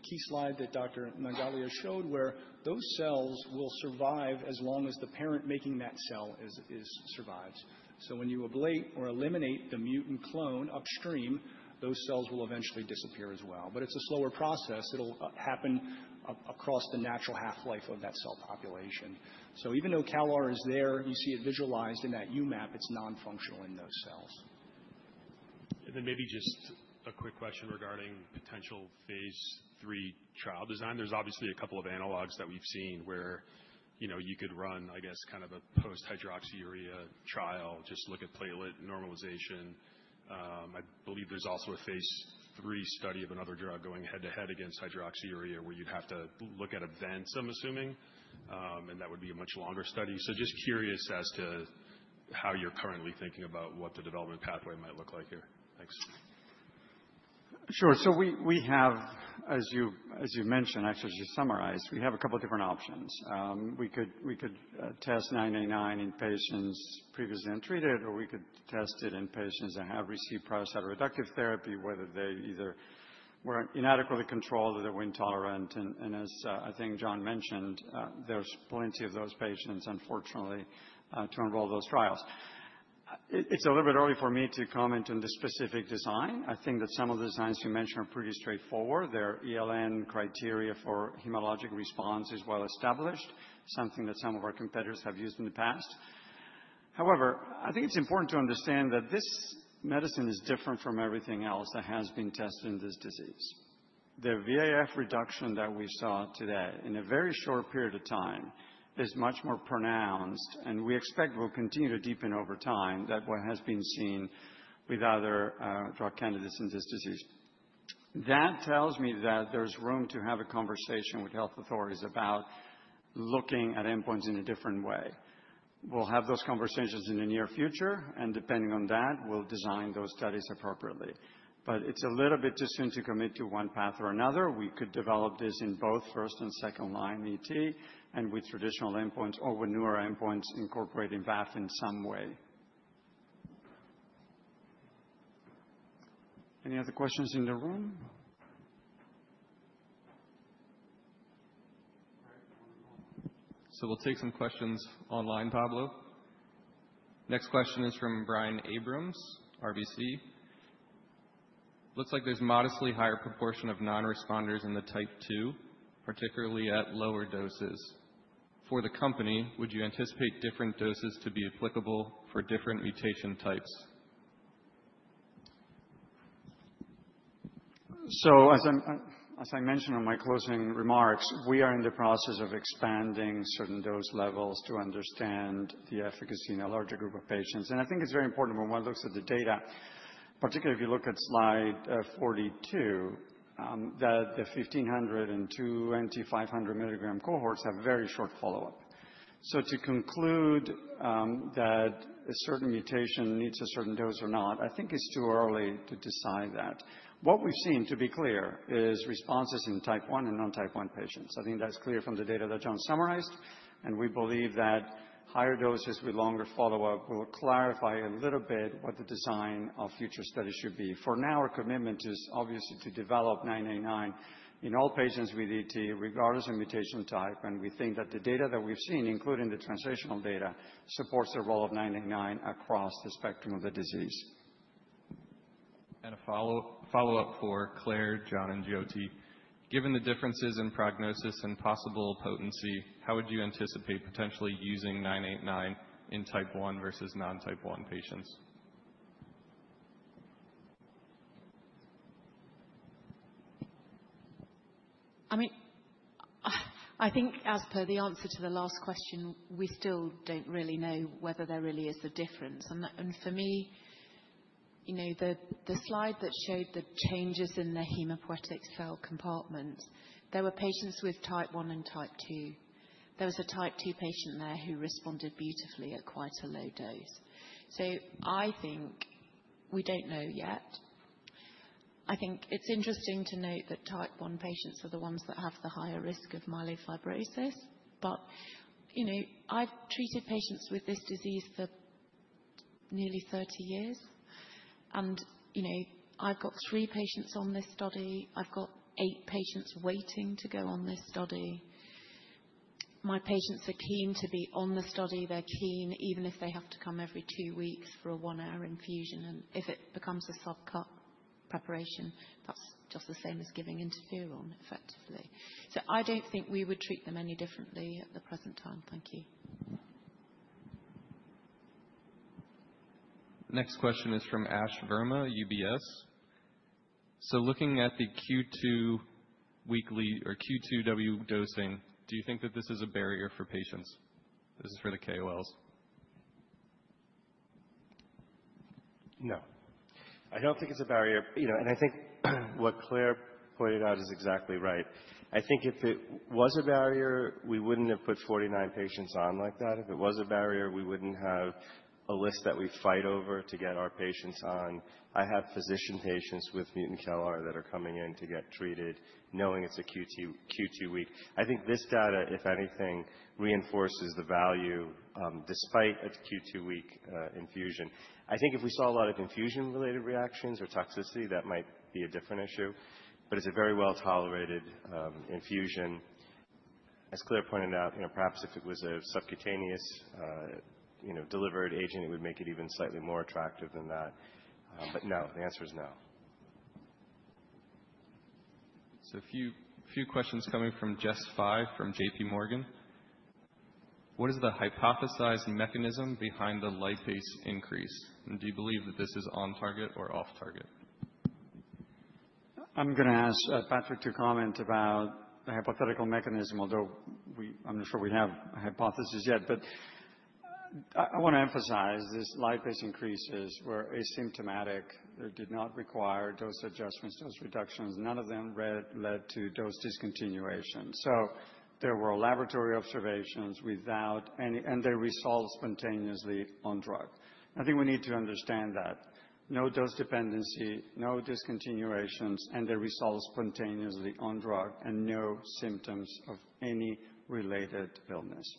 the key slide that Dr. Nangalia showed where those cells will survive as long as the parent making that cell survives. When you ablate or eliminate the mutant clone upstream, those cells will eventually disappear as well. It is a slower process. It'll happen across the natural half-life of that cell population. Even though CALR is there, you see it visualized in that UMAP, it's nonfunctional in those cells. Maybe just a quick question regarding potential phase III trial design. There's obviously a couple of analogs that we've seen where you could run, I guess, kind of a post-hydroxyurea trial, just look at platelet normalization. I believe there's also a phase III study of another drug going head to head against hydroxyurea where you'd have to look at events, I'm assuming. That would be a much longer study. Just curious as to how you're currently thinking about what the development pathway might look like here. Thanks. Sure. We have, as you mentioned, actually, to summarize, we have a couple of different options. We could test 989 in patients previously untreated, or we could test it in patients that have received prior cytoreductive therapy, whether they either were inadequately controlled or they were intolerant. As I think John mentioned, there's plenty of those patients, unfortunately, to enroll those trials. It's a little bit early for me to comment on the specific design. I think that some of the designs you mentioned are pretty straightforward. Their ELN criteria for hematologic response is well established, something that some of our competitors have used in the past. However, I think it's important to understand that this medicine is different from everything else that has been tested in this disease. The VAF reduction that we saw today in a very short period of time is much more pronounced. We expect will continue to deepen over time that what has been seen with other drug candidates in this disease. That tells me that there is room to have a conversation with health authorities about looking at endpoints in a different way. We will have those conversations in the near future. Depending on that, we will design those studies appropriately. It is a little bit too soon to commit to one path or another. We could develop this in both first and second line ET and with traditional endpoints or with newer endpoints incorporating VAF in some way. Any other questions in the room? We'll take some questions online, Pablo. Next question is from Brian Abrahams, RBC. Looks like there's a modestly higher proportion of non-responders in the type 2, particularly at lower doses. For the company, would you anticipate different doses to be applicable for different mutation types? As I mentioned in my closing remarks, we are in the process of expanding certain dose levels to understand the efficacy in a larger group of patients. I think it is very important when one looks at the data, particularly if you look at slide 42, that the 1,500 and 2,500 milligram cohorts have very short follow-up. To conclude that a certain mutation needs a certain dose or not, I think it is too early to decide that. What we have seen, to be clear, is responses in type 1 and non-type 1 patients. I think that is clear from the data that John summarized. We believe that higher doses with longer follow-up will clarify a little bit what the design of future studies should be. For now, our commitment is obviously to develop 989 in all patients with ET, regardless of mutation type. We think that the data that we've seen, including the translational data, supports the role of 989 across the spectrum of the disease. A follow-up for Claire, John, and Jyoti. Given the differences in prognosis and possible potency, how would you anticipate potentially using 989 in type 1 versus non-type 1 patients? I mean, I think as per the answer to the last question, we still do not really know whether there really is a difference. For me, the slide that showed the changes in the hematopoietic cell compartment, there were patients with type 1 and type 2. There was a type 2 patient there who responded beautifully at quite a low dose. I think we do not know yet. I think it is interesting to note that type 1 patients are the ones that have the higher risk of myelofibrosis. I have treated patients with this disease for nearly 30 years. I have three patients on this study. I have eight patients waiting to go on this study. My patients are keen to be on the study. They are keen, even if they have to come every two weeks for a one-hour infusion. If it becomes a subcut preparation, that's just the same as giving interferon, effectively. I don't think we would treat them any differently at the present time. Thank you. Next question is from Ash Verma, UBS. Looking at the Q2 weekly or Q2W dosing, do you think that this is a barrier for patients? This is for the KOLs. No. I do not think it is a barrier. I think what Claire pointed out is exactly right. I think if it was a barrier, we would not have put 49 patients on like that. If it was a barrier, we would not have a list that we fight over to get our patients on. I have physician patients with mutant CALR that are coming in to get treated knowing it is a Q2 week. I think this data, if anything, reinforces the value despite a Q2 week infusion. I think if we saw a lot of infusion-related reactions or toxicity, that might be a different issue. It is a very well-tolerated infusion. As Claire pointed out, perhaps if it was a subcutaneous delivered agent, it would make it even slightly more attractive than that. No, the answer is no. A few questions coming from Jess Fye from JPMorgan. What is the hypothesized mechanism behind the lipase increase? Do you believe that this is on target or off target? I'm going to ask Patrick to comment about the hypothetical mechanism, although I'm not sure we have a hypothesis yet. I want to emphasize this lipase increase is where asymptomatic, they did not require dose adjustments, dose reductions. None of them led to dose discontinuation. There were laboratory observations without any, and they resolved spontaneously on drug. I think we need to understand that. No dose dependency, no discontinuations, and they resolved spontaneously on drug and no symptoms of any related illness.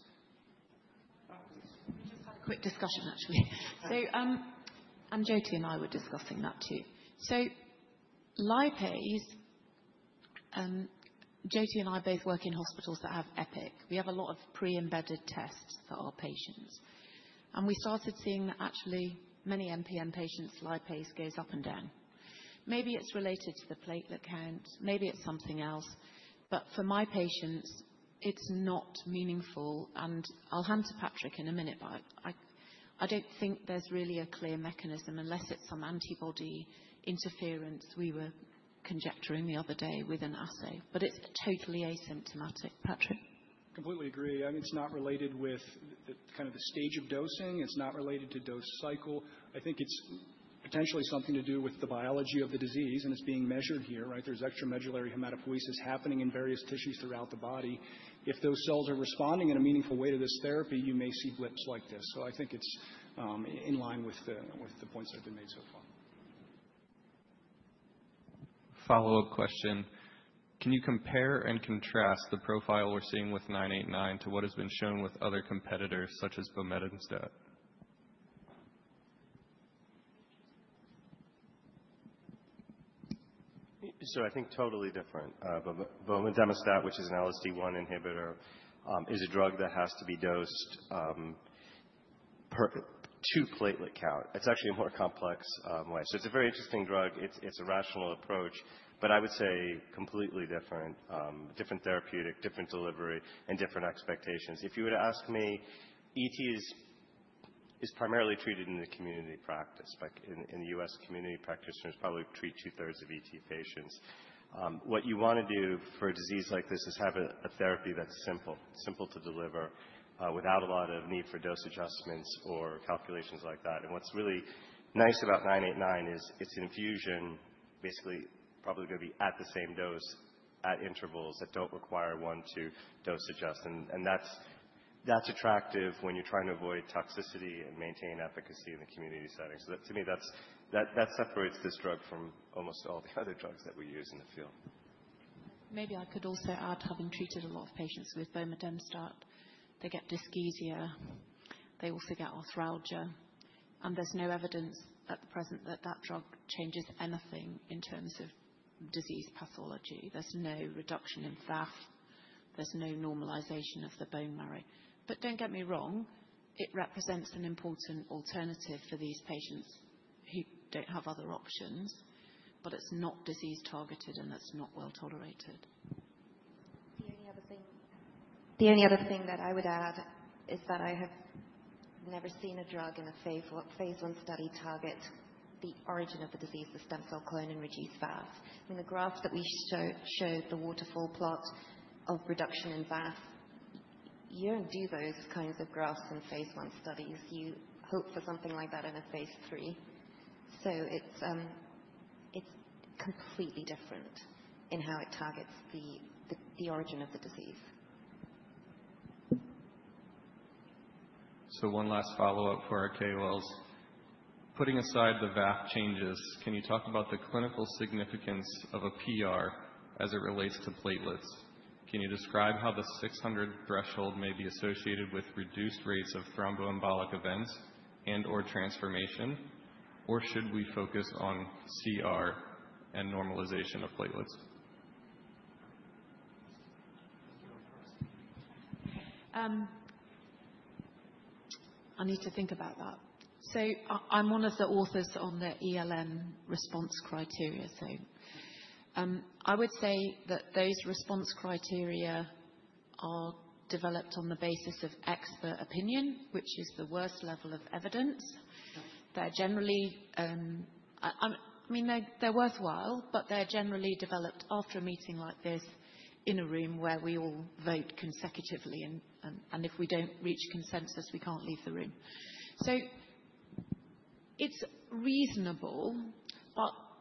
We just had a quick discussion, actually. Jyoti and I were discussing that too. Lipase, Jyoti and I both work in hospitals that have EPIC. We have a lot of pre-embedded tests for our patients. We started seeing that actually many MPN patients, lipase goes up and down. Maybe it is related to the platelet count. Maybe it is something else. For my patients, it is not meaningful. I will hand to Patrick in a minute. I do not think there is really a clear mechanism unless it is some antibody interference we were conjecturing the other day with an assay. It is totally asymptomatic. Patrick? Completely agree. It is not related with kind of the stage of dosing. It is not related to dose cycle. I think it is potentially something to do with the biology of the disease and it is being measured here. Right? There is extramedullary hematopoiesis happening in various tissues throughout the body. If those cells are responding in a meaningful way to this therapy, you may see blips like this. I think it is in line with the points that have been made so far. Follow-up question. Can you compare and contrast the profile we're seeing with 989 to what has been shown with other competitors such as Bomedemstat? I think totally different. Bomedemstat, which is an LSD1 inhibitor, is a drug that has to be dosed per platelet count. It's actually a more complex way. It's a very interesting drug. It's a rational approach. I would say completely different, different therapeutic, different delivery, and different expectations. If you were to ask me, ET is primarily treated in the community practice. In the U.S. community, practitioners probably treat 2/3 of ET patients. What you want to do for a disease like this is have a therapy that's simple, simple to deliver without a lot of need for dose adjustments or calculations like that. What's really nice about 989 is it's an infusion, basically probably going to be at the same dose at intervals that don't require one to dose adjust. That's attractive when you're trying to avoid toxicity and maintain efficacy in the community setting. To me, that separates this drug from almost all the other drugs that we use in the field. Maybe I could also add, having treated a lot of patients with Bomedemstat, they get dysgeusia. They also get arthralgia. There is no evidence at the present that that drug changes anything in terms of disease pathology. There is no reduction in VAF. There is no normalization of the bone marrow. Do not get me wrong. It represents an important alternative for these patients who do not have other options. It is not disease targeted, and it is not well tolerated. The only other thing that I would add is that I have never seen a drug in a phase I study target the origin of the disease, the stem cell clone, and reduce VAF. I mean, the graph that we showed, the waterfall plot of reduction in VAF, you don't do those kinds of graphs in phase I studies. You hope for something like that in a phase III. It is completely different in how it targets the origin of the disease. One last follow-up for our KOLs. Putting aside the VAF changes, can you talk about the clinical significance of a PR as it relates to platelets? Can you describe how the 600 threshold may be associated with reduced rates of thromboembolic events and/or transformation? Should we focus on CR and normalization of platelets? I need to think about that. I am one of the authors on the ELN response criteria. I would say that those response criteria are developed on the basis of expert opinion, which is the worst level of evidence. I mean, they are worthwhile, but they are generally developed after a meeting like this in a room where we all vote consecutively. If we do not reach consensus, we cannot leave the room. It is reasonable.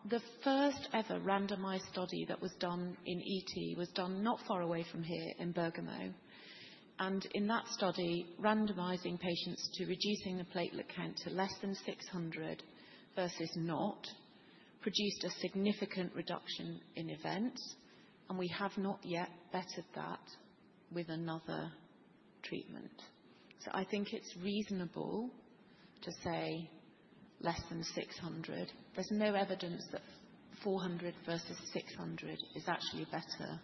The first ever randomized study that was done in ET was done not far away from here in Bergamo. In that study, randomizing patients to reducing the platelet count to less than 600 versus not produced a significant reduction in events. We have not yet bettered that with another treatment. I think it is reasonable to say less than 600. There is no evidence that 400 versus 600 is actually better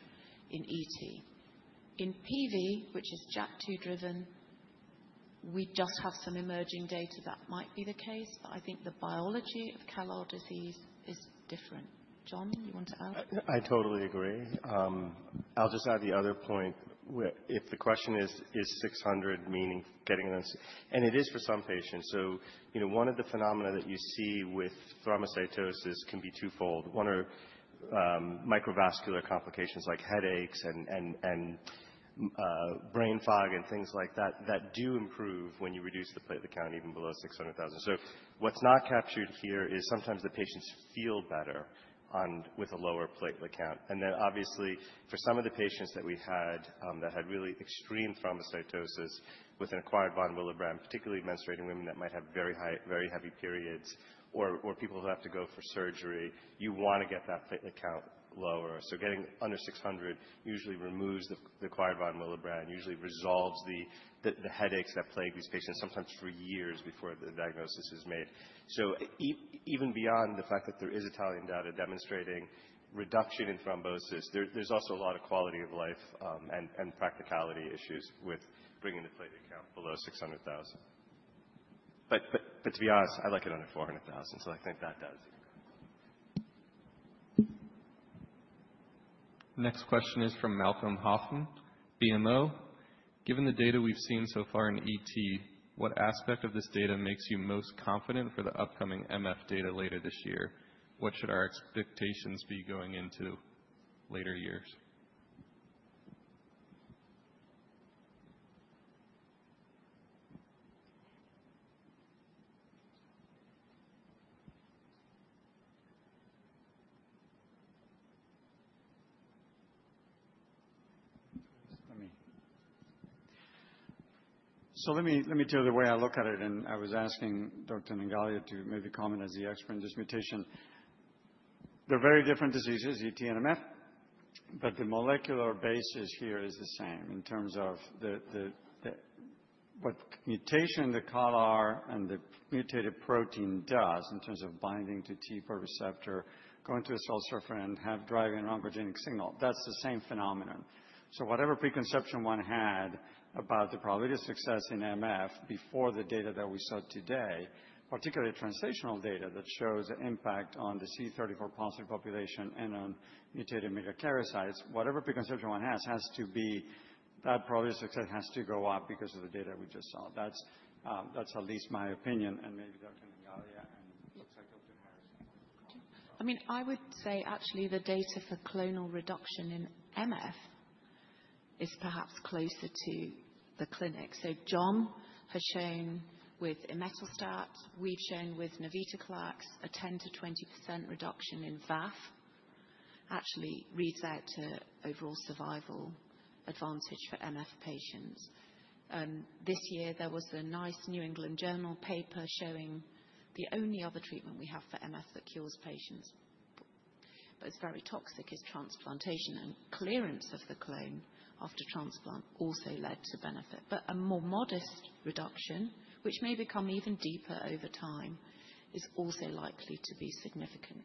in ET. In PV, which is JAK2 driven, we just have some emerging data that might be the case. I think the biology of CALR disease is different. John, you want to add? I totally agree. I'll just add the other point. If the question is, is 600 meaning getting an answer? And it is for some patients. One of the phenomena that you see with thrombocytosis can be twofold. One are microvascular complications like headaches and brain fog and things like that that do improve when you reduce the platelet count even below 600,000. What's not captured here is sometimes the patients feel better with a lower platelet count. Obviously, for some of the patients that we had that had really extreme thrombocytosis with an acquired von Willebrand, particularly menstruating women that might have very heavy periods or people who have to go for surgery, you want to get that platelet count lower. Getting under 600 usually removes the acquired von Willebrand, usually resolves the headaches that plague these patients sometimes for years before the diagnosis is made. Even beyond the fact that there is Italian data demonstrating reduction in thrombosis, there's also a lot of quality of life and practicality issues with bringing the platelet count below 600,000. To be honest, I like it under 400,000. I think that does. Next question is from Malcolm Hoffman, BMO. Given the data we've seen so far in ET, what aspect of this data makes you most confident for the upcoming MF data later this year? What should our expectations be going into later years? Let me tell you the way I look at it. I was asking Dr. Nangalia to maybe comment as the expert on this mutation. They're very different diseases, ET and MF. The molecular basis here is the same in terms of what mutation, the CALR, and the mutated protein does in terms of binding to TPOR receptor, going to a cell surface, driving oncogenic signal. That's the same phenomenon. Whatever preconception one had about the probability of success in MF before the data that we saw today, particularly translational data that shows an impact on the CD34 positive population and on mutated megakaryocytes, whatever preconception one has has to be that probability of success has to go up because of the data we just saw. That's at least my opinion. And maybe Dr. Nangalia and it looks like Dr. Harrison. I mean, I would say actually the data for clonal reduction in MF is perhaps closer to the clinic. John has shown with Imetelstat, we've shown with Navitoclax a 10%-20% reduction in VAF, actually reads out to overall survival advantage for MF patients. This year, there was a nice New England Journal paper showing the only other treatment we have for MF that cures patients. It is very toxic as transplantation. Clearance of the clone after transplant also led to benefit. A more modest reduction, which may become even deeper over time, is also likely to be significant.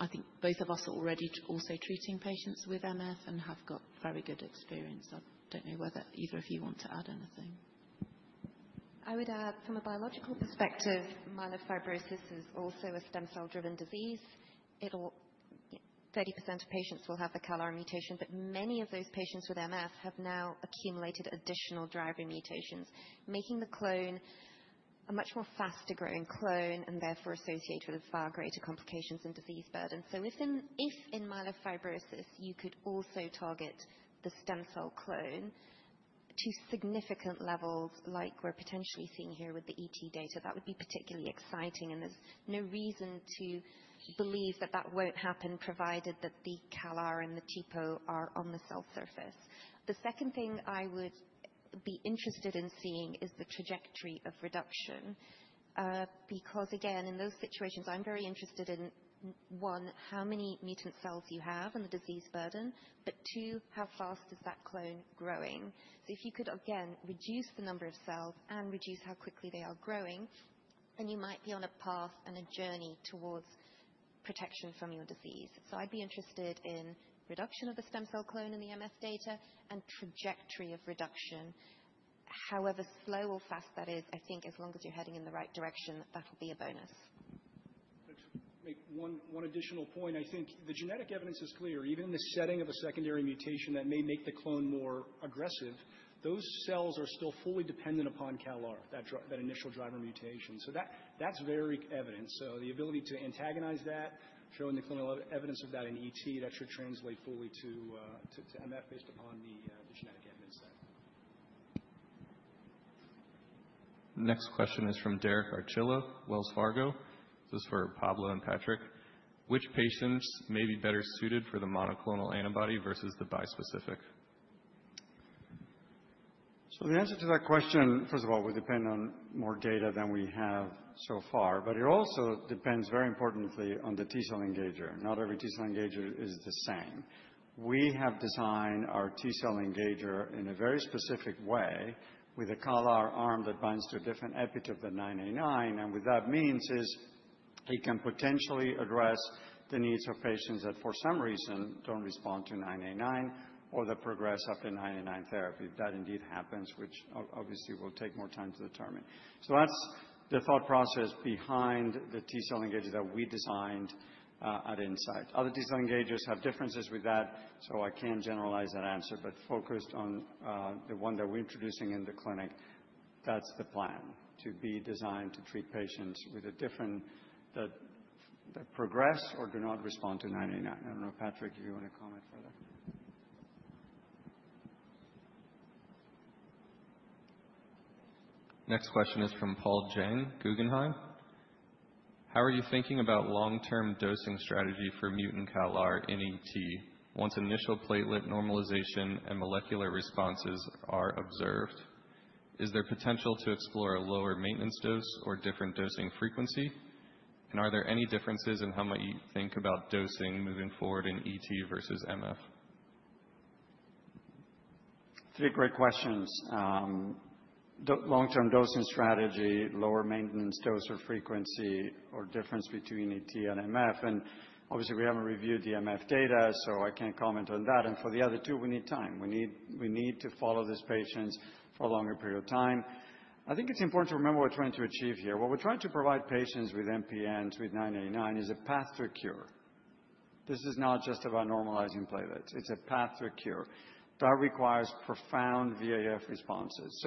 I think both of us are already also treating patients with MF and have got very good experience. I don't know whether either of you want to add anything. I would add, from a biological perspective, myelofibrosis is also a stem cell-driven disease. 30% of patients will have the CALR mutation. But many of those patients with MF have now accumulated additional driving mutations, making the clone a much more faster-growing clone and therefore associated with far greater complications and disease burden. So if in myelofibrosis you could also target the stem cell clone to significant levels like we're potentially seeing here with the ET data, that would be particularly exciting. And there's no reason to believe that that won't happen provided that the CALR and the TPOR are on the cell surface. The second thing I would be interested in seeing is the trajectory of reduction. Because again, in those situations, I'm very interested in, one, how many mutant cells you have and the disease burden. But two, how fast is that clone growing? If you could again reduce the number of cells and reduce how quickly they are growing, then you might be on a path and a journey towards protection from your disease. I'd be interested in reduction of the stem cell clone in the MF data and trajectory of reduction. However slow or fast that is, I think as long as you're heading in the right direction, that will be a bonus. To make one additional point, I think the genetic evidence is clear. Even in the setting of a secondary mutation that may make the clone more aggressive, those cells are still fully dependent upon CALR, that initial driver mutation. That is very evident. The ability to antagonize that, showing the clinical evidence of that in ET, should translate fully to MF based upon the genetic evidence there. Next question is from Derek Archila, Wells Fargo. This is for Pablo and Patrick. Which patients may be better suited for the monoclonal antibody versus the bispecific? The answer to that question, first of all, would depend on more data than we have so far. It also depends very importantly on the T cell engager. Not every T cell engager is the same. We have designed our T cell engager in a very specific way with a CALR arm that binds to a different epitope than 9A9. What that means is it can potentially address the needs of patients that for some reason do not respond to 9A9 or that progress after 9A9 therapy. That indeed happens, which obviously will take more time to determine. That is the thought process behind the T cell engager that we designed at Incyte. Other T cell engagers have differences with that. I cannot generalize that answer. Focused on the one that we're introducing in the clinic, that's the plan to be designed to treat patients that progress or do not respond to 9A9. I don't know, Patrick, if you want to comment further. Next question is from Paul Jang, Guggenheim. How are you thinking about long-term dosing strategy for mutant CALR in ET once initial platelet normalization and molecular responses are observed? Is there potential to explore a lower maintenance dose or different dosing frequency? Are there any differences in how you might think about dosing moving forward in ET versus MF? Three great questions. Long-term dosing strategy, lower maintenance dose or frequency, or difference between ET and MF. Obviously, we haven't reviewed the MF data. I can't comment on that. For the other two, we need time. We need to follow these patients for a longer period of time. I think it's important to remember what we're trying to achieve here. What we're trying to provide patients with MPNs with 9A9 is a path to a cure. This is not just about normalizing platelets. It's a path to a cure. That requires profound VAF responses.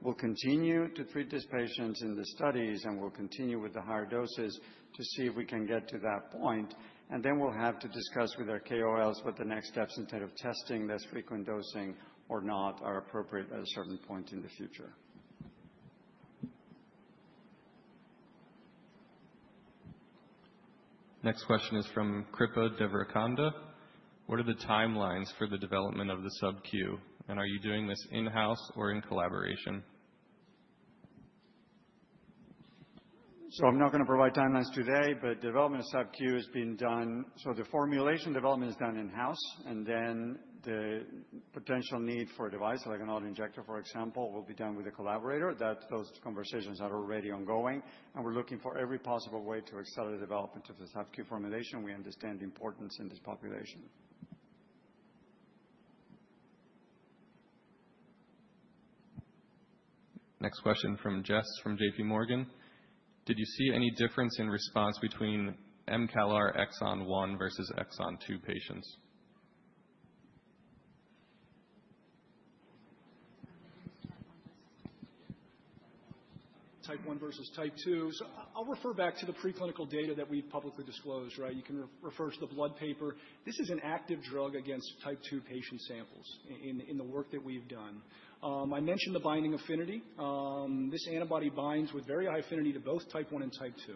We'll continue to treat these patients in the studies. We'll continue with the higher doses to see if we can get to that point. We will have to discuss with our KOLs what the next steps in terms of testing this frequent dosing or not are appropriate at a certain point in the future. Next question is from Kripa Devarakonda. What are the timelines for the development of the subQ? Are you doing this in-house or in collaboration? I'm not going to provide timelines today. Development of subQ has been done. The formulation development is done in-house. The potential need for a device like an autoinjector, for example, will be done with a collaborator. Those conversations are already ongoing. We're looking for every possible way to accelerate the development of the subQ formulation. We understand the importance in this population. Next question from Jess from JPMorgan. Did you see any difference in response between mCALR exon 1 versus exon 2 patients? Type 1 versus type 2. I'll refer back to the preclinical data that we've publicly disclosed. You can refer to the Blood paper. This is an active drug against type 2 patient samples in the work that we've done. I mentioned the binding affinity. This antibody binds with very high affinity to both type 1 and type 2.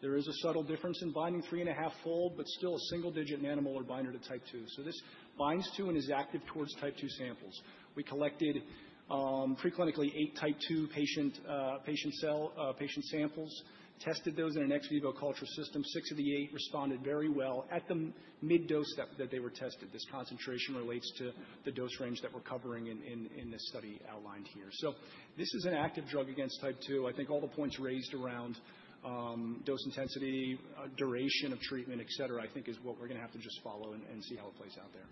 There is a subtle difference in binding, three and a half fold, but still a single digit nanomolar binder to type 2. This binds to and is active towards type 2 samples. We collected preclinically eight type 2 patient cell samples, tested those in an ex vivo culture system. Six of the eight responded very well at the mid-dose that they were tested. This concentration relates to the dose range that we're covering in this study outlined here. This is an active drug against type 2. I think all the points raised around dose intensity, duration of treatment, et cetera, I think is what we're going to have to just follow and see how it plays out there.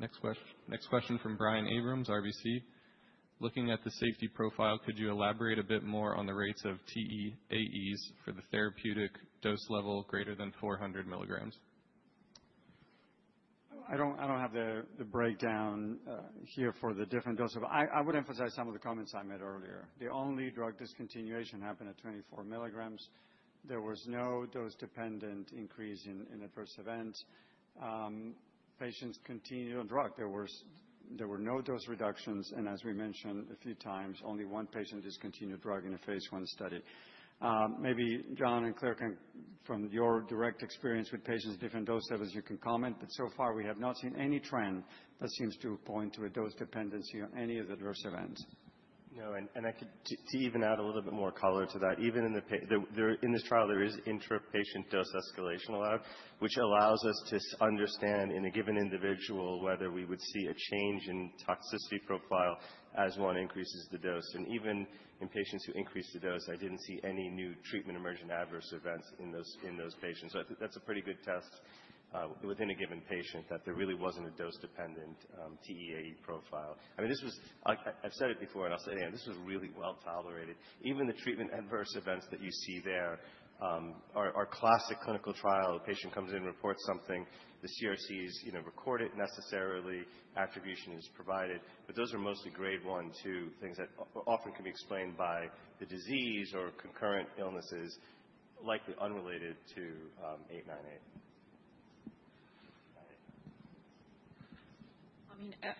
Next question from Brian Abrahams, RBC. Looking at the safety profile, could you elaborate a bit more on the rates of TEAEs for the therapeutic dose level greater than 400 milligrams? I don't have the breakdown here for the different doses. I would emphasize some of the comments I made earlier. The only drug discontinuation happened at 24 milligrams. There was no dose-dependent increase in adverse events. Patients continued on drug. There were no dose reductions. As we mentioned a few times, only one patient discontinued drug in a phase I study. Maybe John and Claire, from your direct experience with patients' different dose levels, you can comment. So far, we have not seen any trend that seems to point to a dose dependency on any of the adverse events. No. To even add a little bit more color to that, even in this trial, there is intrapatient dose escalation allowed, which allows us to understand in a given individual whether we would see a change in toxicity profile as one increases the dose. Even in patients who increase the dose, I did not see any new treatment emergent adverse events in those patients. I think that is a pretty good test within a given patient that there really was not a dose-dependent TEAE profile. I mean, I have said it before, and I will say it again. This was really well tolerated. Even the treatment adverse events that you see there are classic clinical trial. A patient comes in and reports something. The CRCs record it necessarily. Attribution is provided. Those are mostly grade one, two things that often can be explained by the disease or concurrent illnesses, likely unrelated to 989. I mean,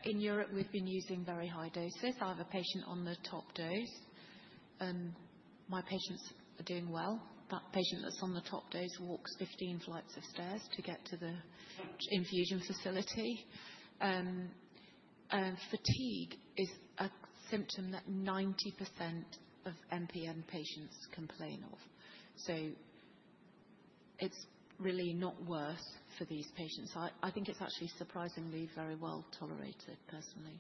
in Europe, we've been using very high doses. I have a patient on the top dose. My patients are doing well. That patient that's on the top dose walks 15 flights of stairs to get to the infusion facility. Fatigue is a symptom that 90% of MPN patients complain of. It is really not worse for these patients. I think it is actually surprisingly very well tolerated, personally.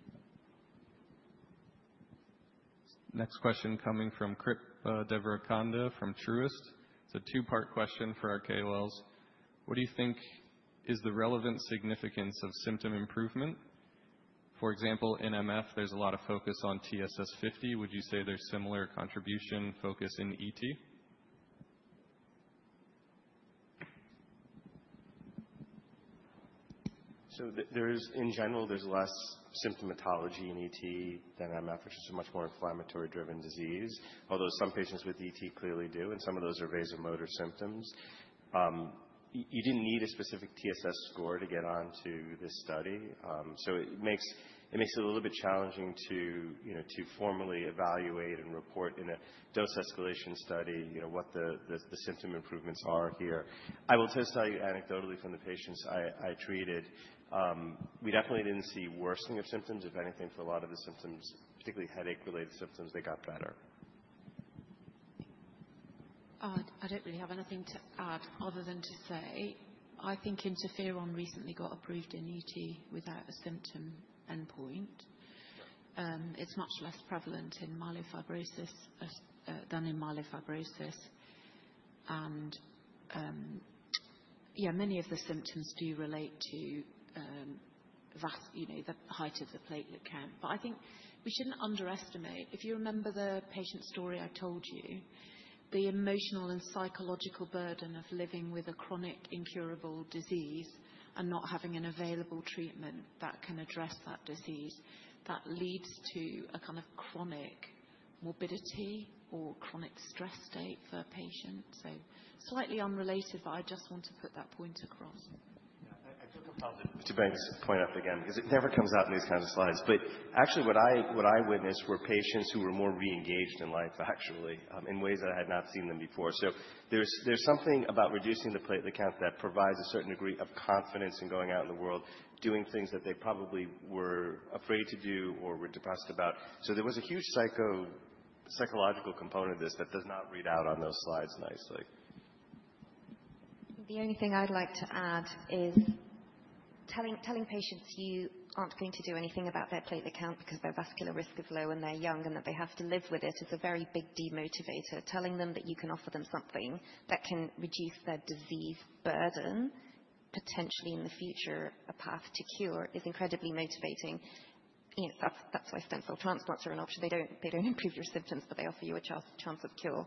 Next question coming from Kripa Devarakonda from Truist. It's a two-part question for our KOLs. What do you think is the relevant significance of symptom improvement? For example, in MF, there's a lot of focus on TSS50. Would you say there's similar contribution focus in ET? In general, there's less symptomatology in ET than MF, which is a much more inflammatory-driven disease, although some patients with ET clearly do. Some of those are vasomotor symptoms. You didn't need a specific TSS score to get on to this study. It makes it a little bit challenging to formally evaluate and report in a dose escalation study what the symptom improvements are here. I will tell you anecdotally from the patients I treated, we definitely didn't see worsening of symptoms. If anything, for a lot of the symptoms, particularly headache-related symptoms, they got better. I don't really have anything to add other than to say I think interferon recently got approved in ET without a symptom endpoint. It's much less prevalent in myelofibrosis than in ET. Yeah, many of the symptoms do relate to the height of the platelet count. I think we shouldn't underestimate. If you remember the patient story I told you, the emotional and psychological burden of living with a chronic incurable disease and not having an available treatment that can address that disease, that leads to a kind of chronic morbidity or chronic stress state for a patient. Slightly unrelated, but I just want to put that point across. I took apart the debates point up again because it never comes up in these kinds of slides. Actually, what I witnessed were patients who were more re-engaged in life, actually, in ways that I had not seen them before. There is something about reducing the platelet count that provides a certain degree of confidence in going out in the world doing things that they probably were afraid to do or were depressed about. There was a huge psychological component of this that does not read out on those slides nicely. The only thing I'd like to add is telling patients you aren't going to do anything about their platelet count because their vascular risk is low and they're young and that they have to live with it is a very big demotivator. Telling them that you can offer them something that can reduce their disease burden, potentially in the future a path to cure, is incredibly motivating. That's why stem cell transplants are an option. They don't improve your symptoms, but they offer you a chance of cure.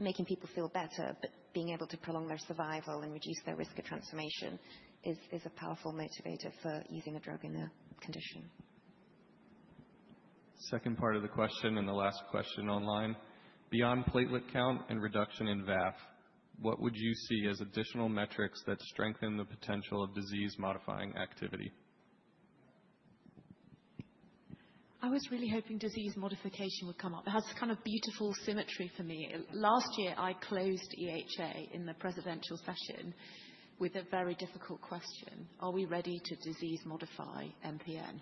Making people feel better, but being able to prolong their survival and reduce their risk of transformation is a powerful motivator for using a drug in a condition. Second part of the question and the last question online. Beyond platelet count and reduction in VAF, what would you see as additional metrics that strengthen the potential of disease-modifying activity? I was really hoping disease modification would come up. It has kind of beautiful symmetry for me. Last year, I closed EHA in the presidential session with a very difficult question. Are we ready to disease-modify MPN?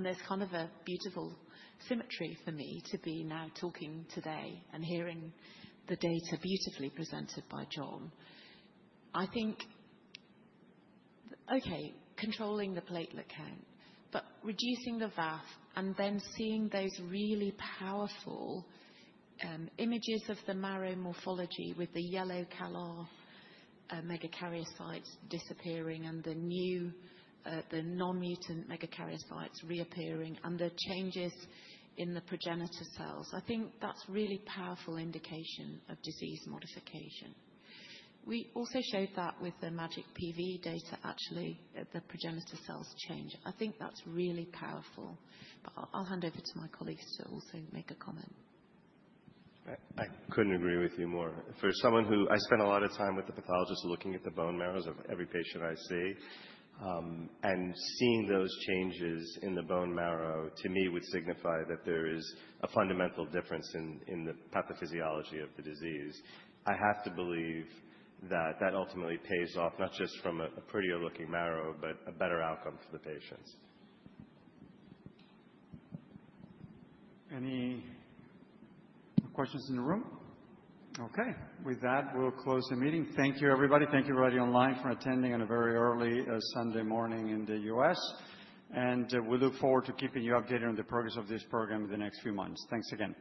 There is kind of a beautiful symmetry for me to be now talking today and hearing the data beautifully presented by John. I think, okay, controlling the platelet count, but reducing the VAF and then seeing those really powerful images of the marrow morphology with the yellow CALR megakaryocytes disappearing and the non-mutant megakaryocytes reappearing and the changes in the progenitor cells. I think that's a really powerful indication of disease modification. We also showed that with the MAGIC PV data, actually, the progenitor cells change. I think that's really powerful. I will hand over to my colleagues to also make a comment. I couldn't agree with you more. For someone who, I spend a lot of time with the pathologist looking at the bone marrows of every patient I see, and seeing those changes in the bone marrow, to me, would signify that there is a fundamental difference in the pathophysiology of the disease. I have to believe that that ultimately pays off not just from a prettier looking marrow, but a better outcome for the patients. Any questions in the room? Okay. With that, we'll close the meeting. Thank you, everybody. Thank you, everybody online, for attending on a very early Sunday morning in the U.S. We look forward to keeping you updated on the progress of this program in the next few months. Thanks again.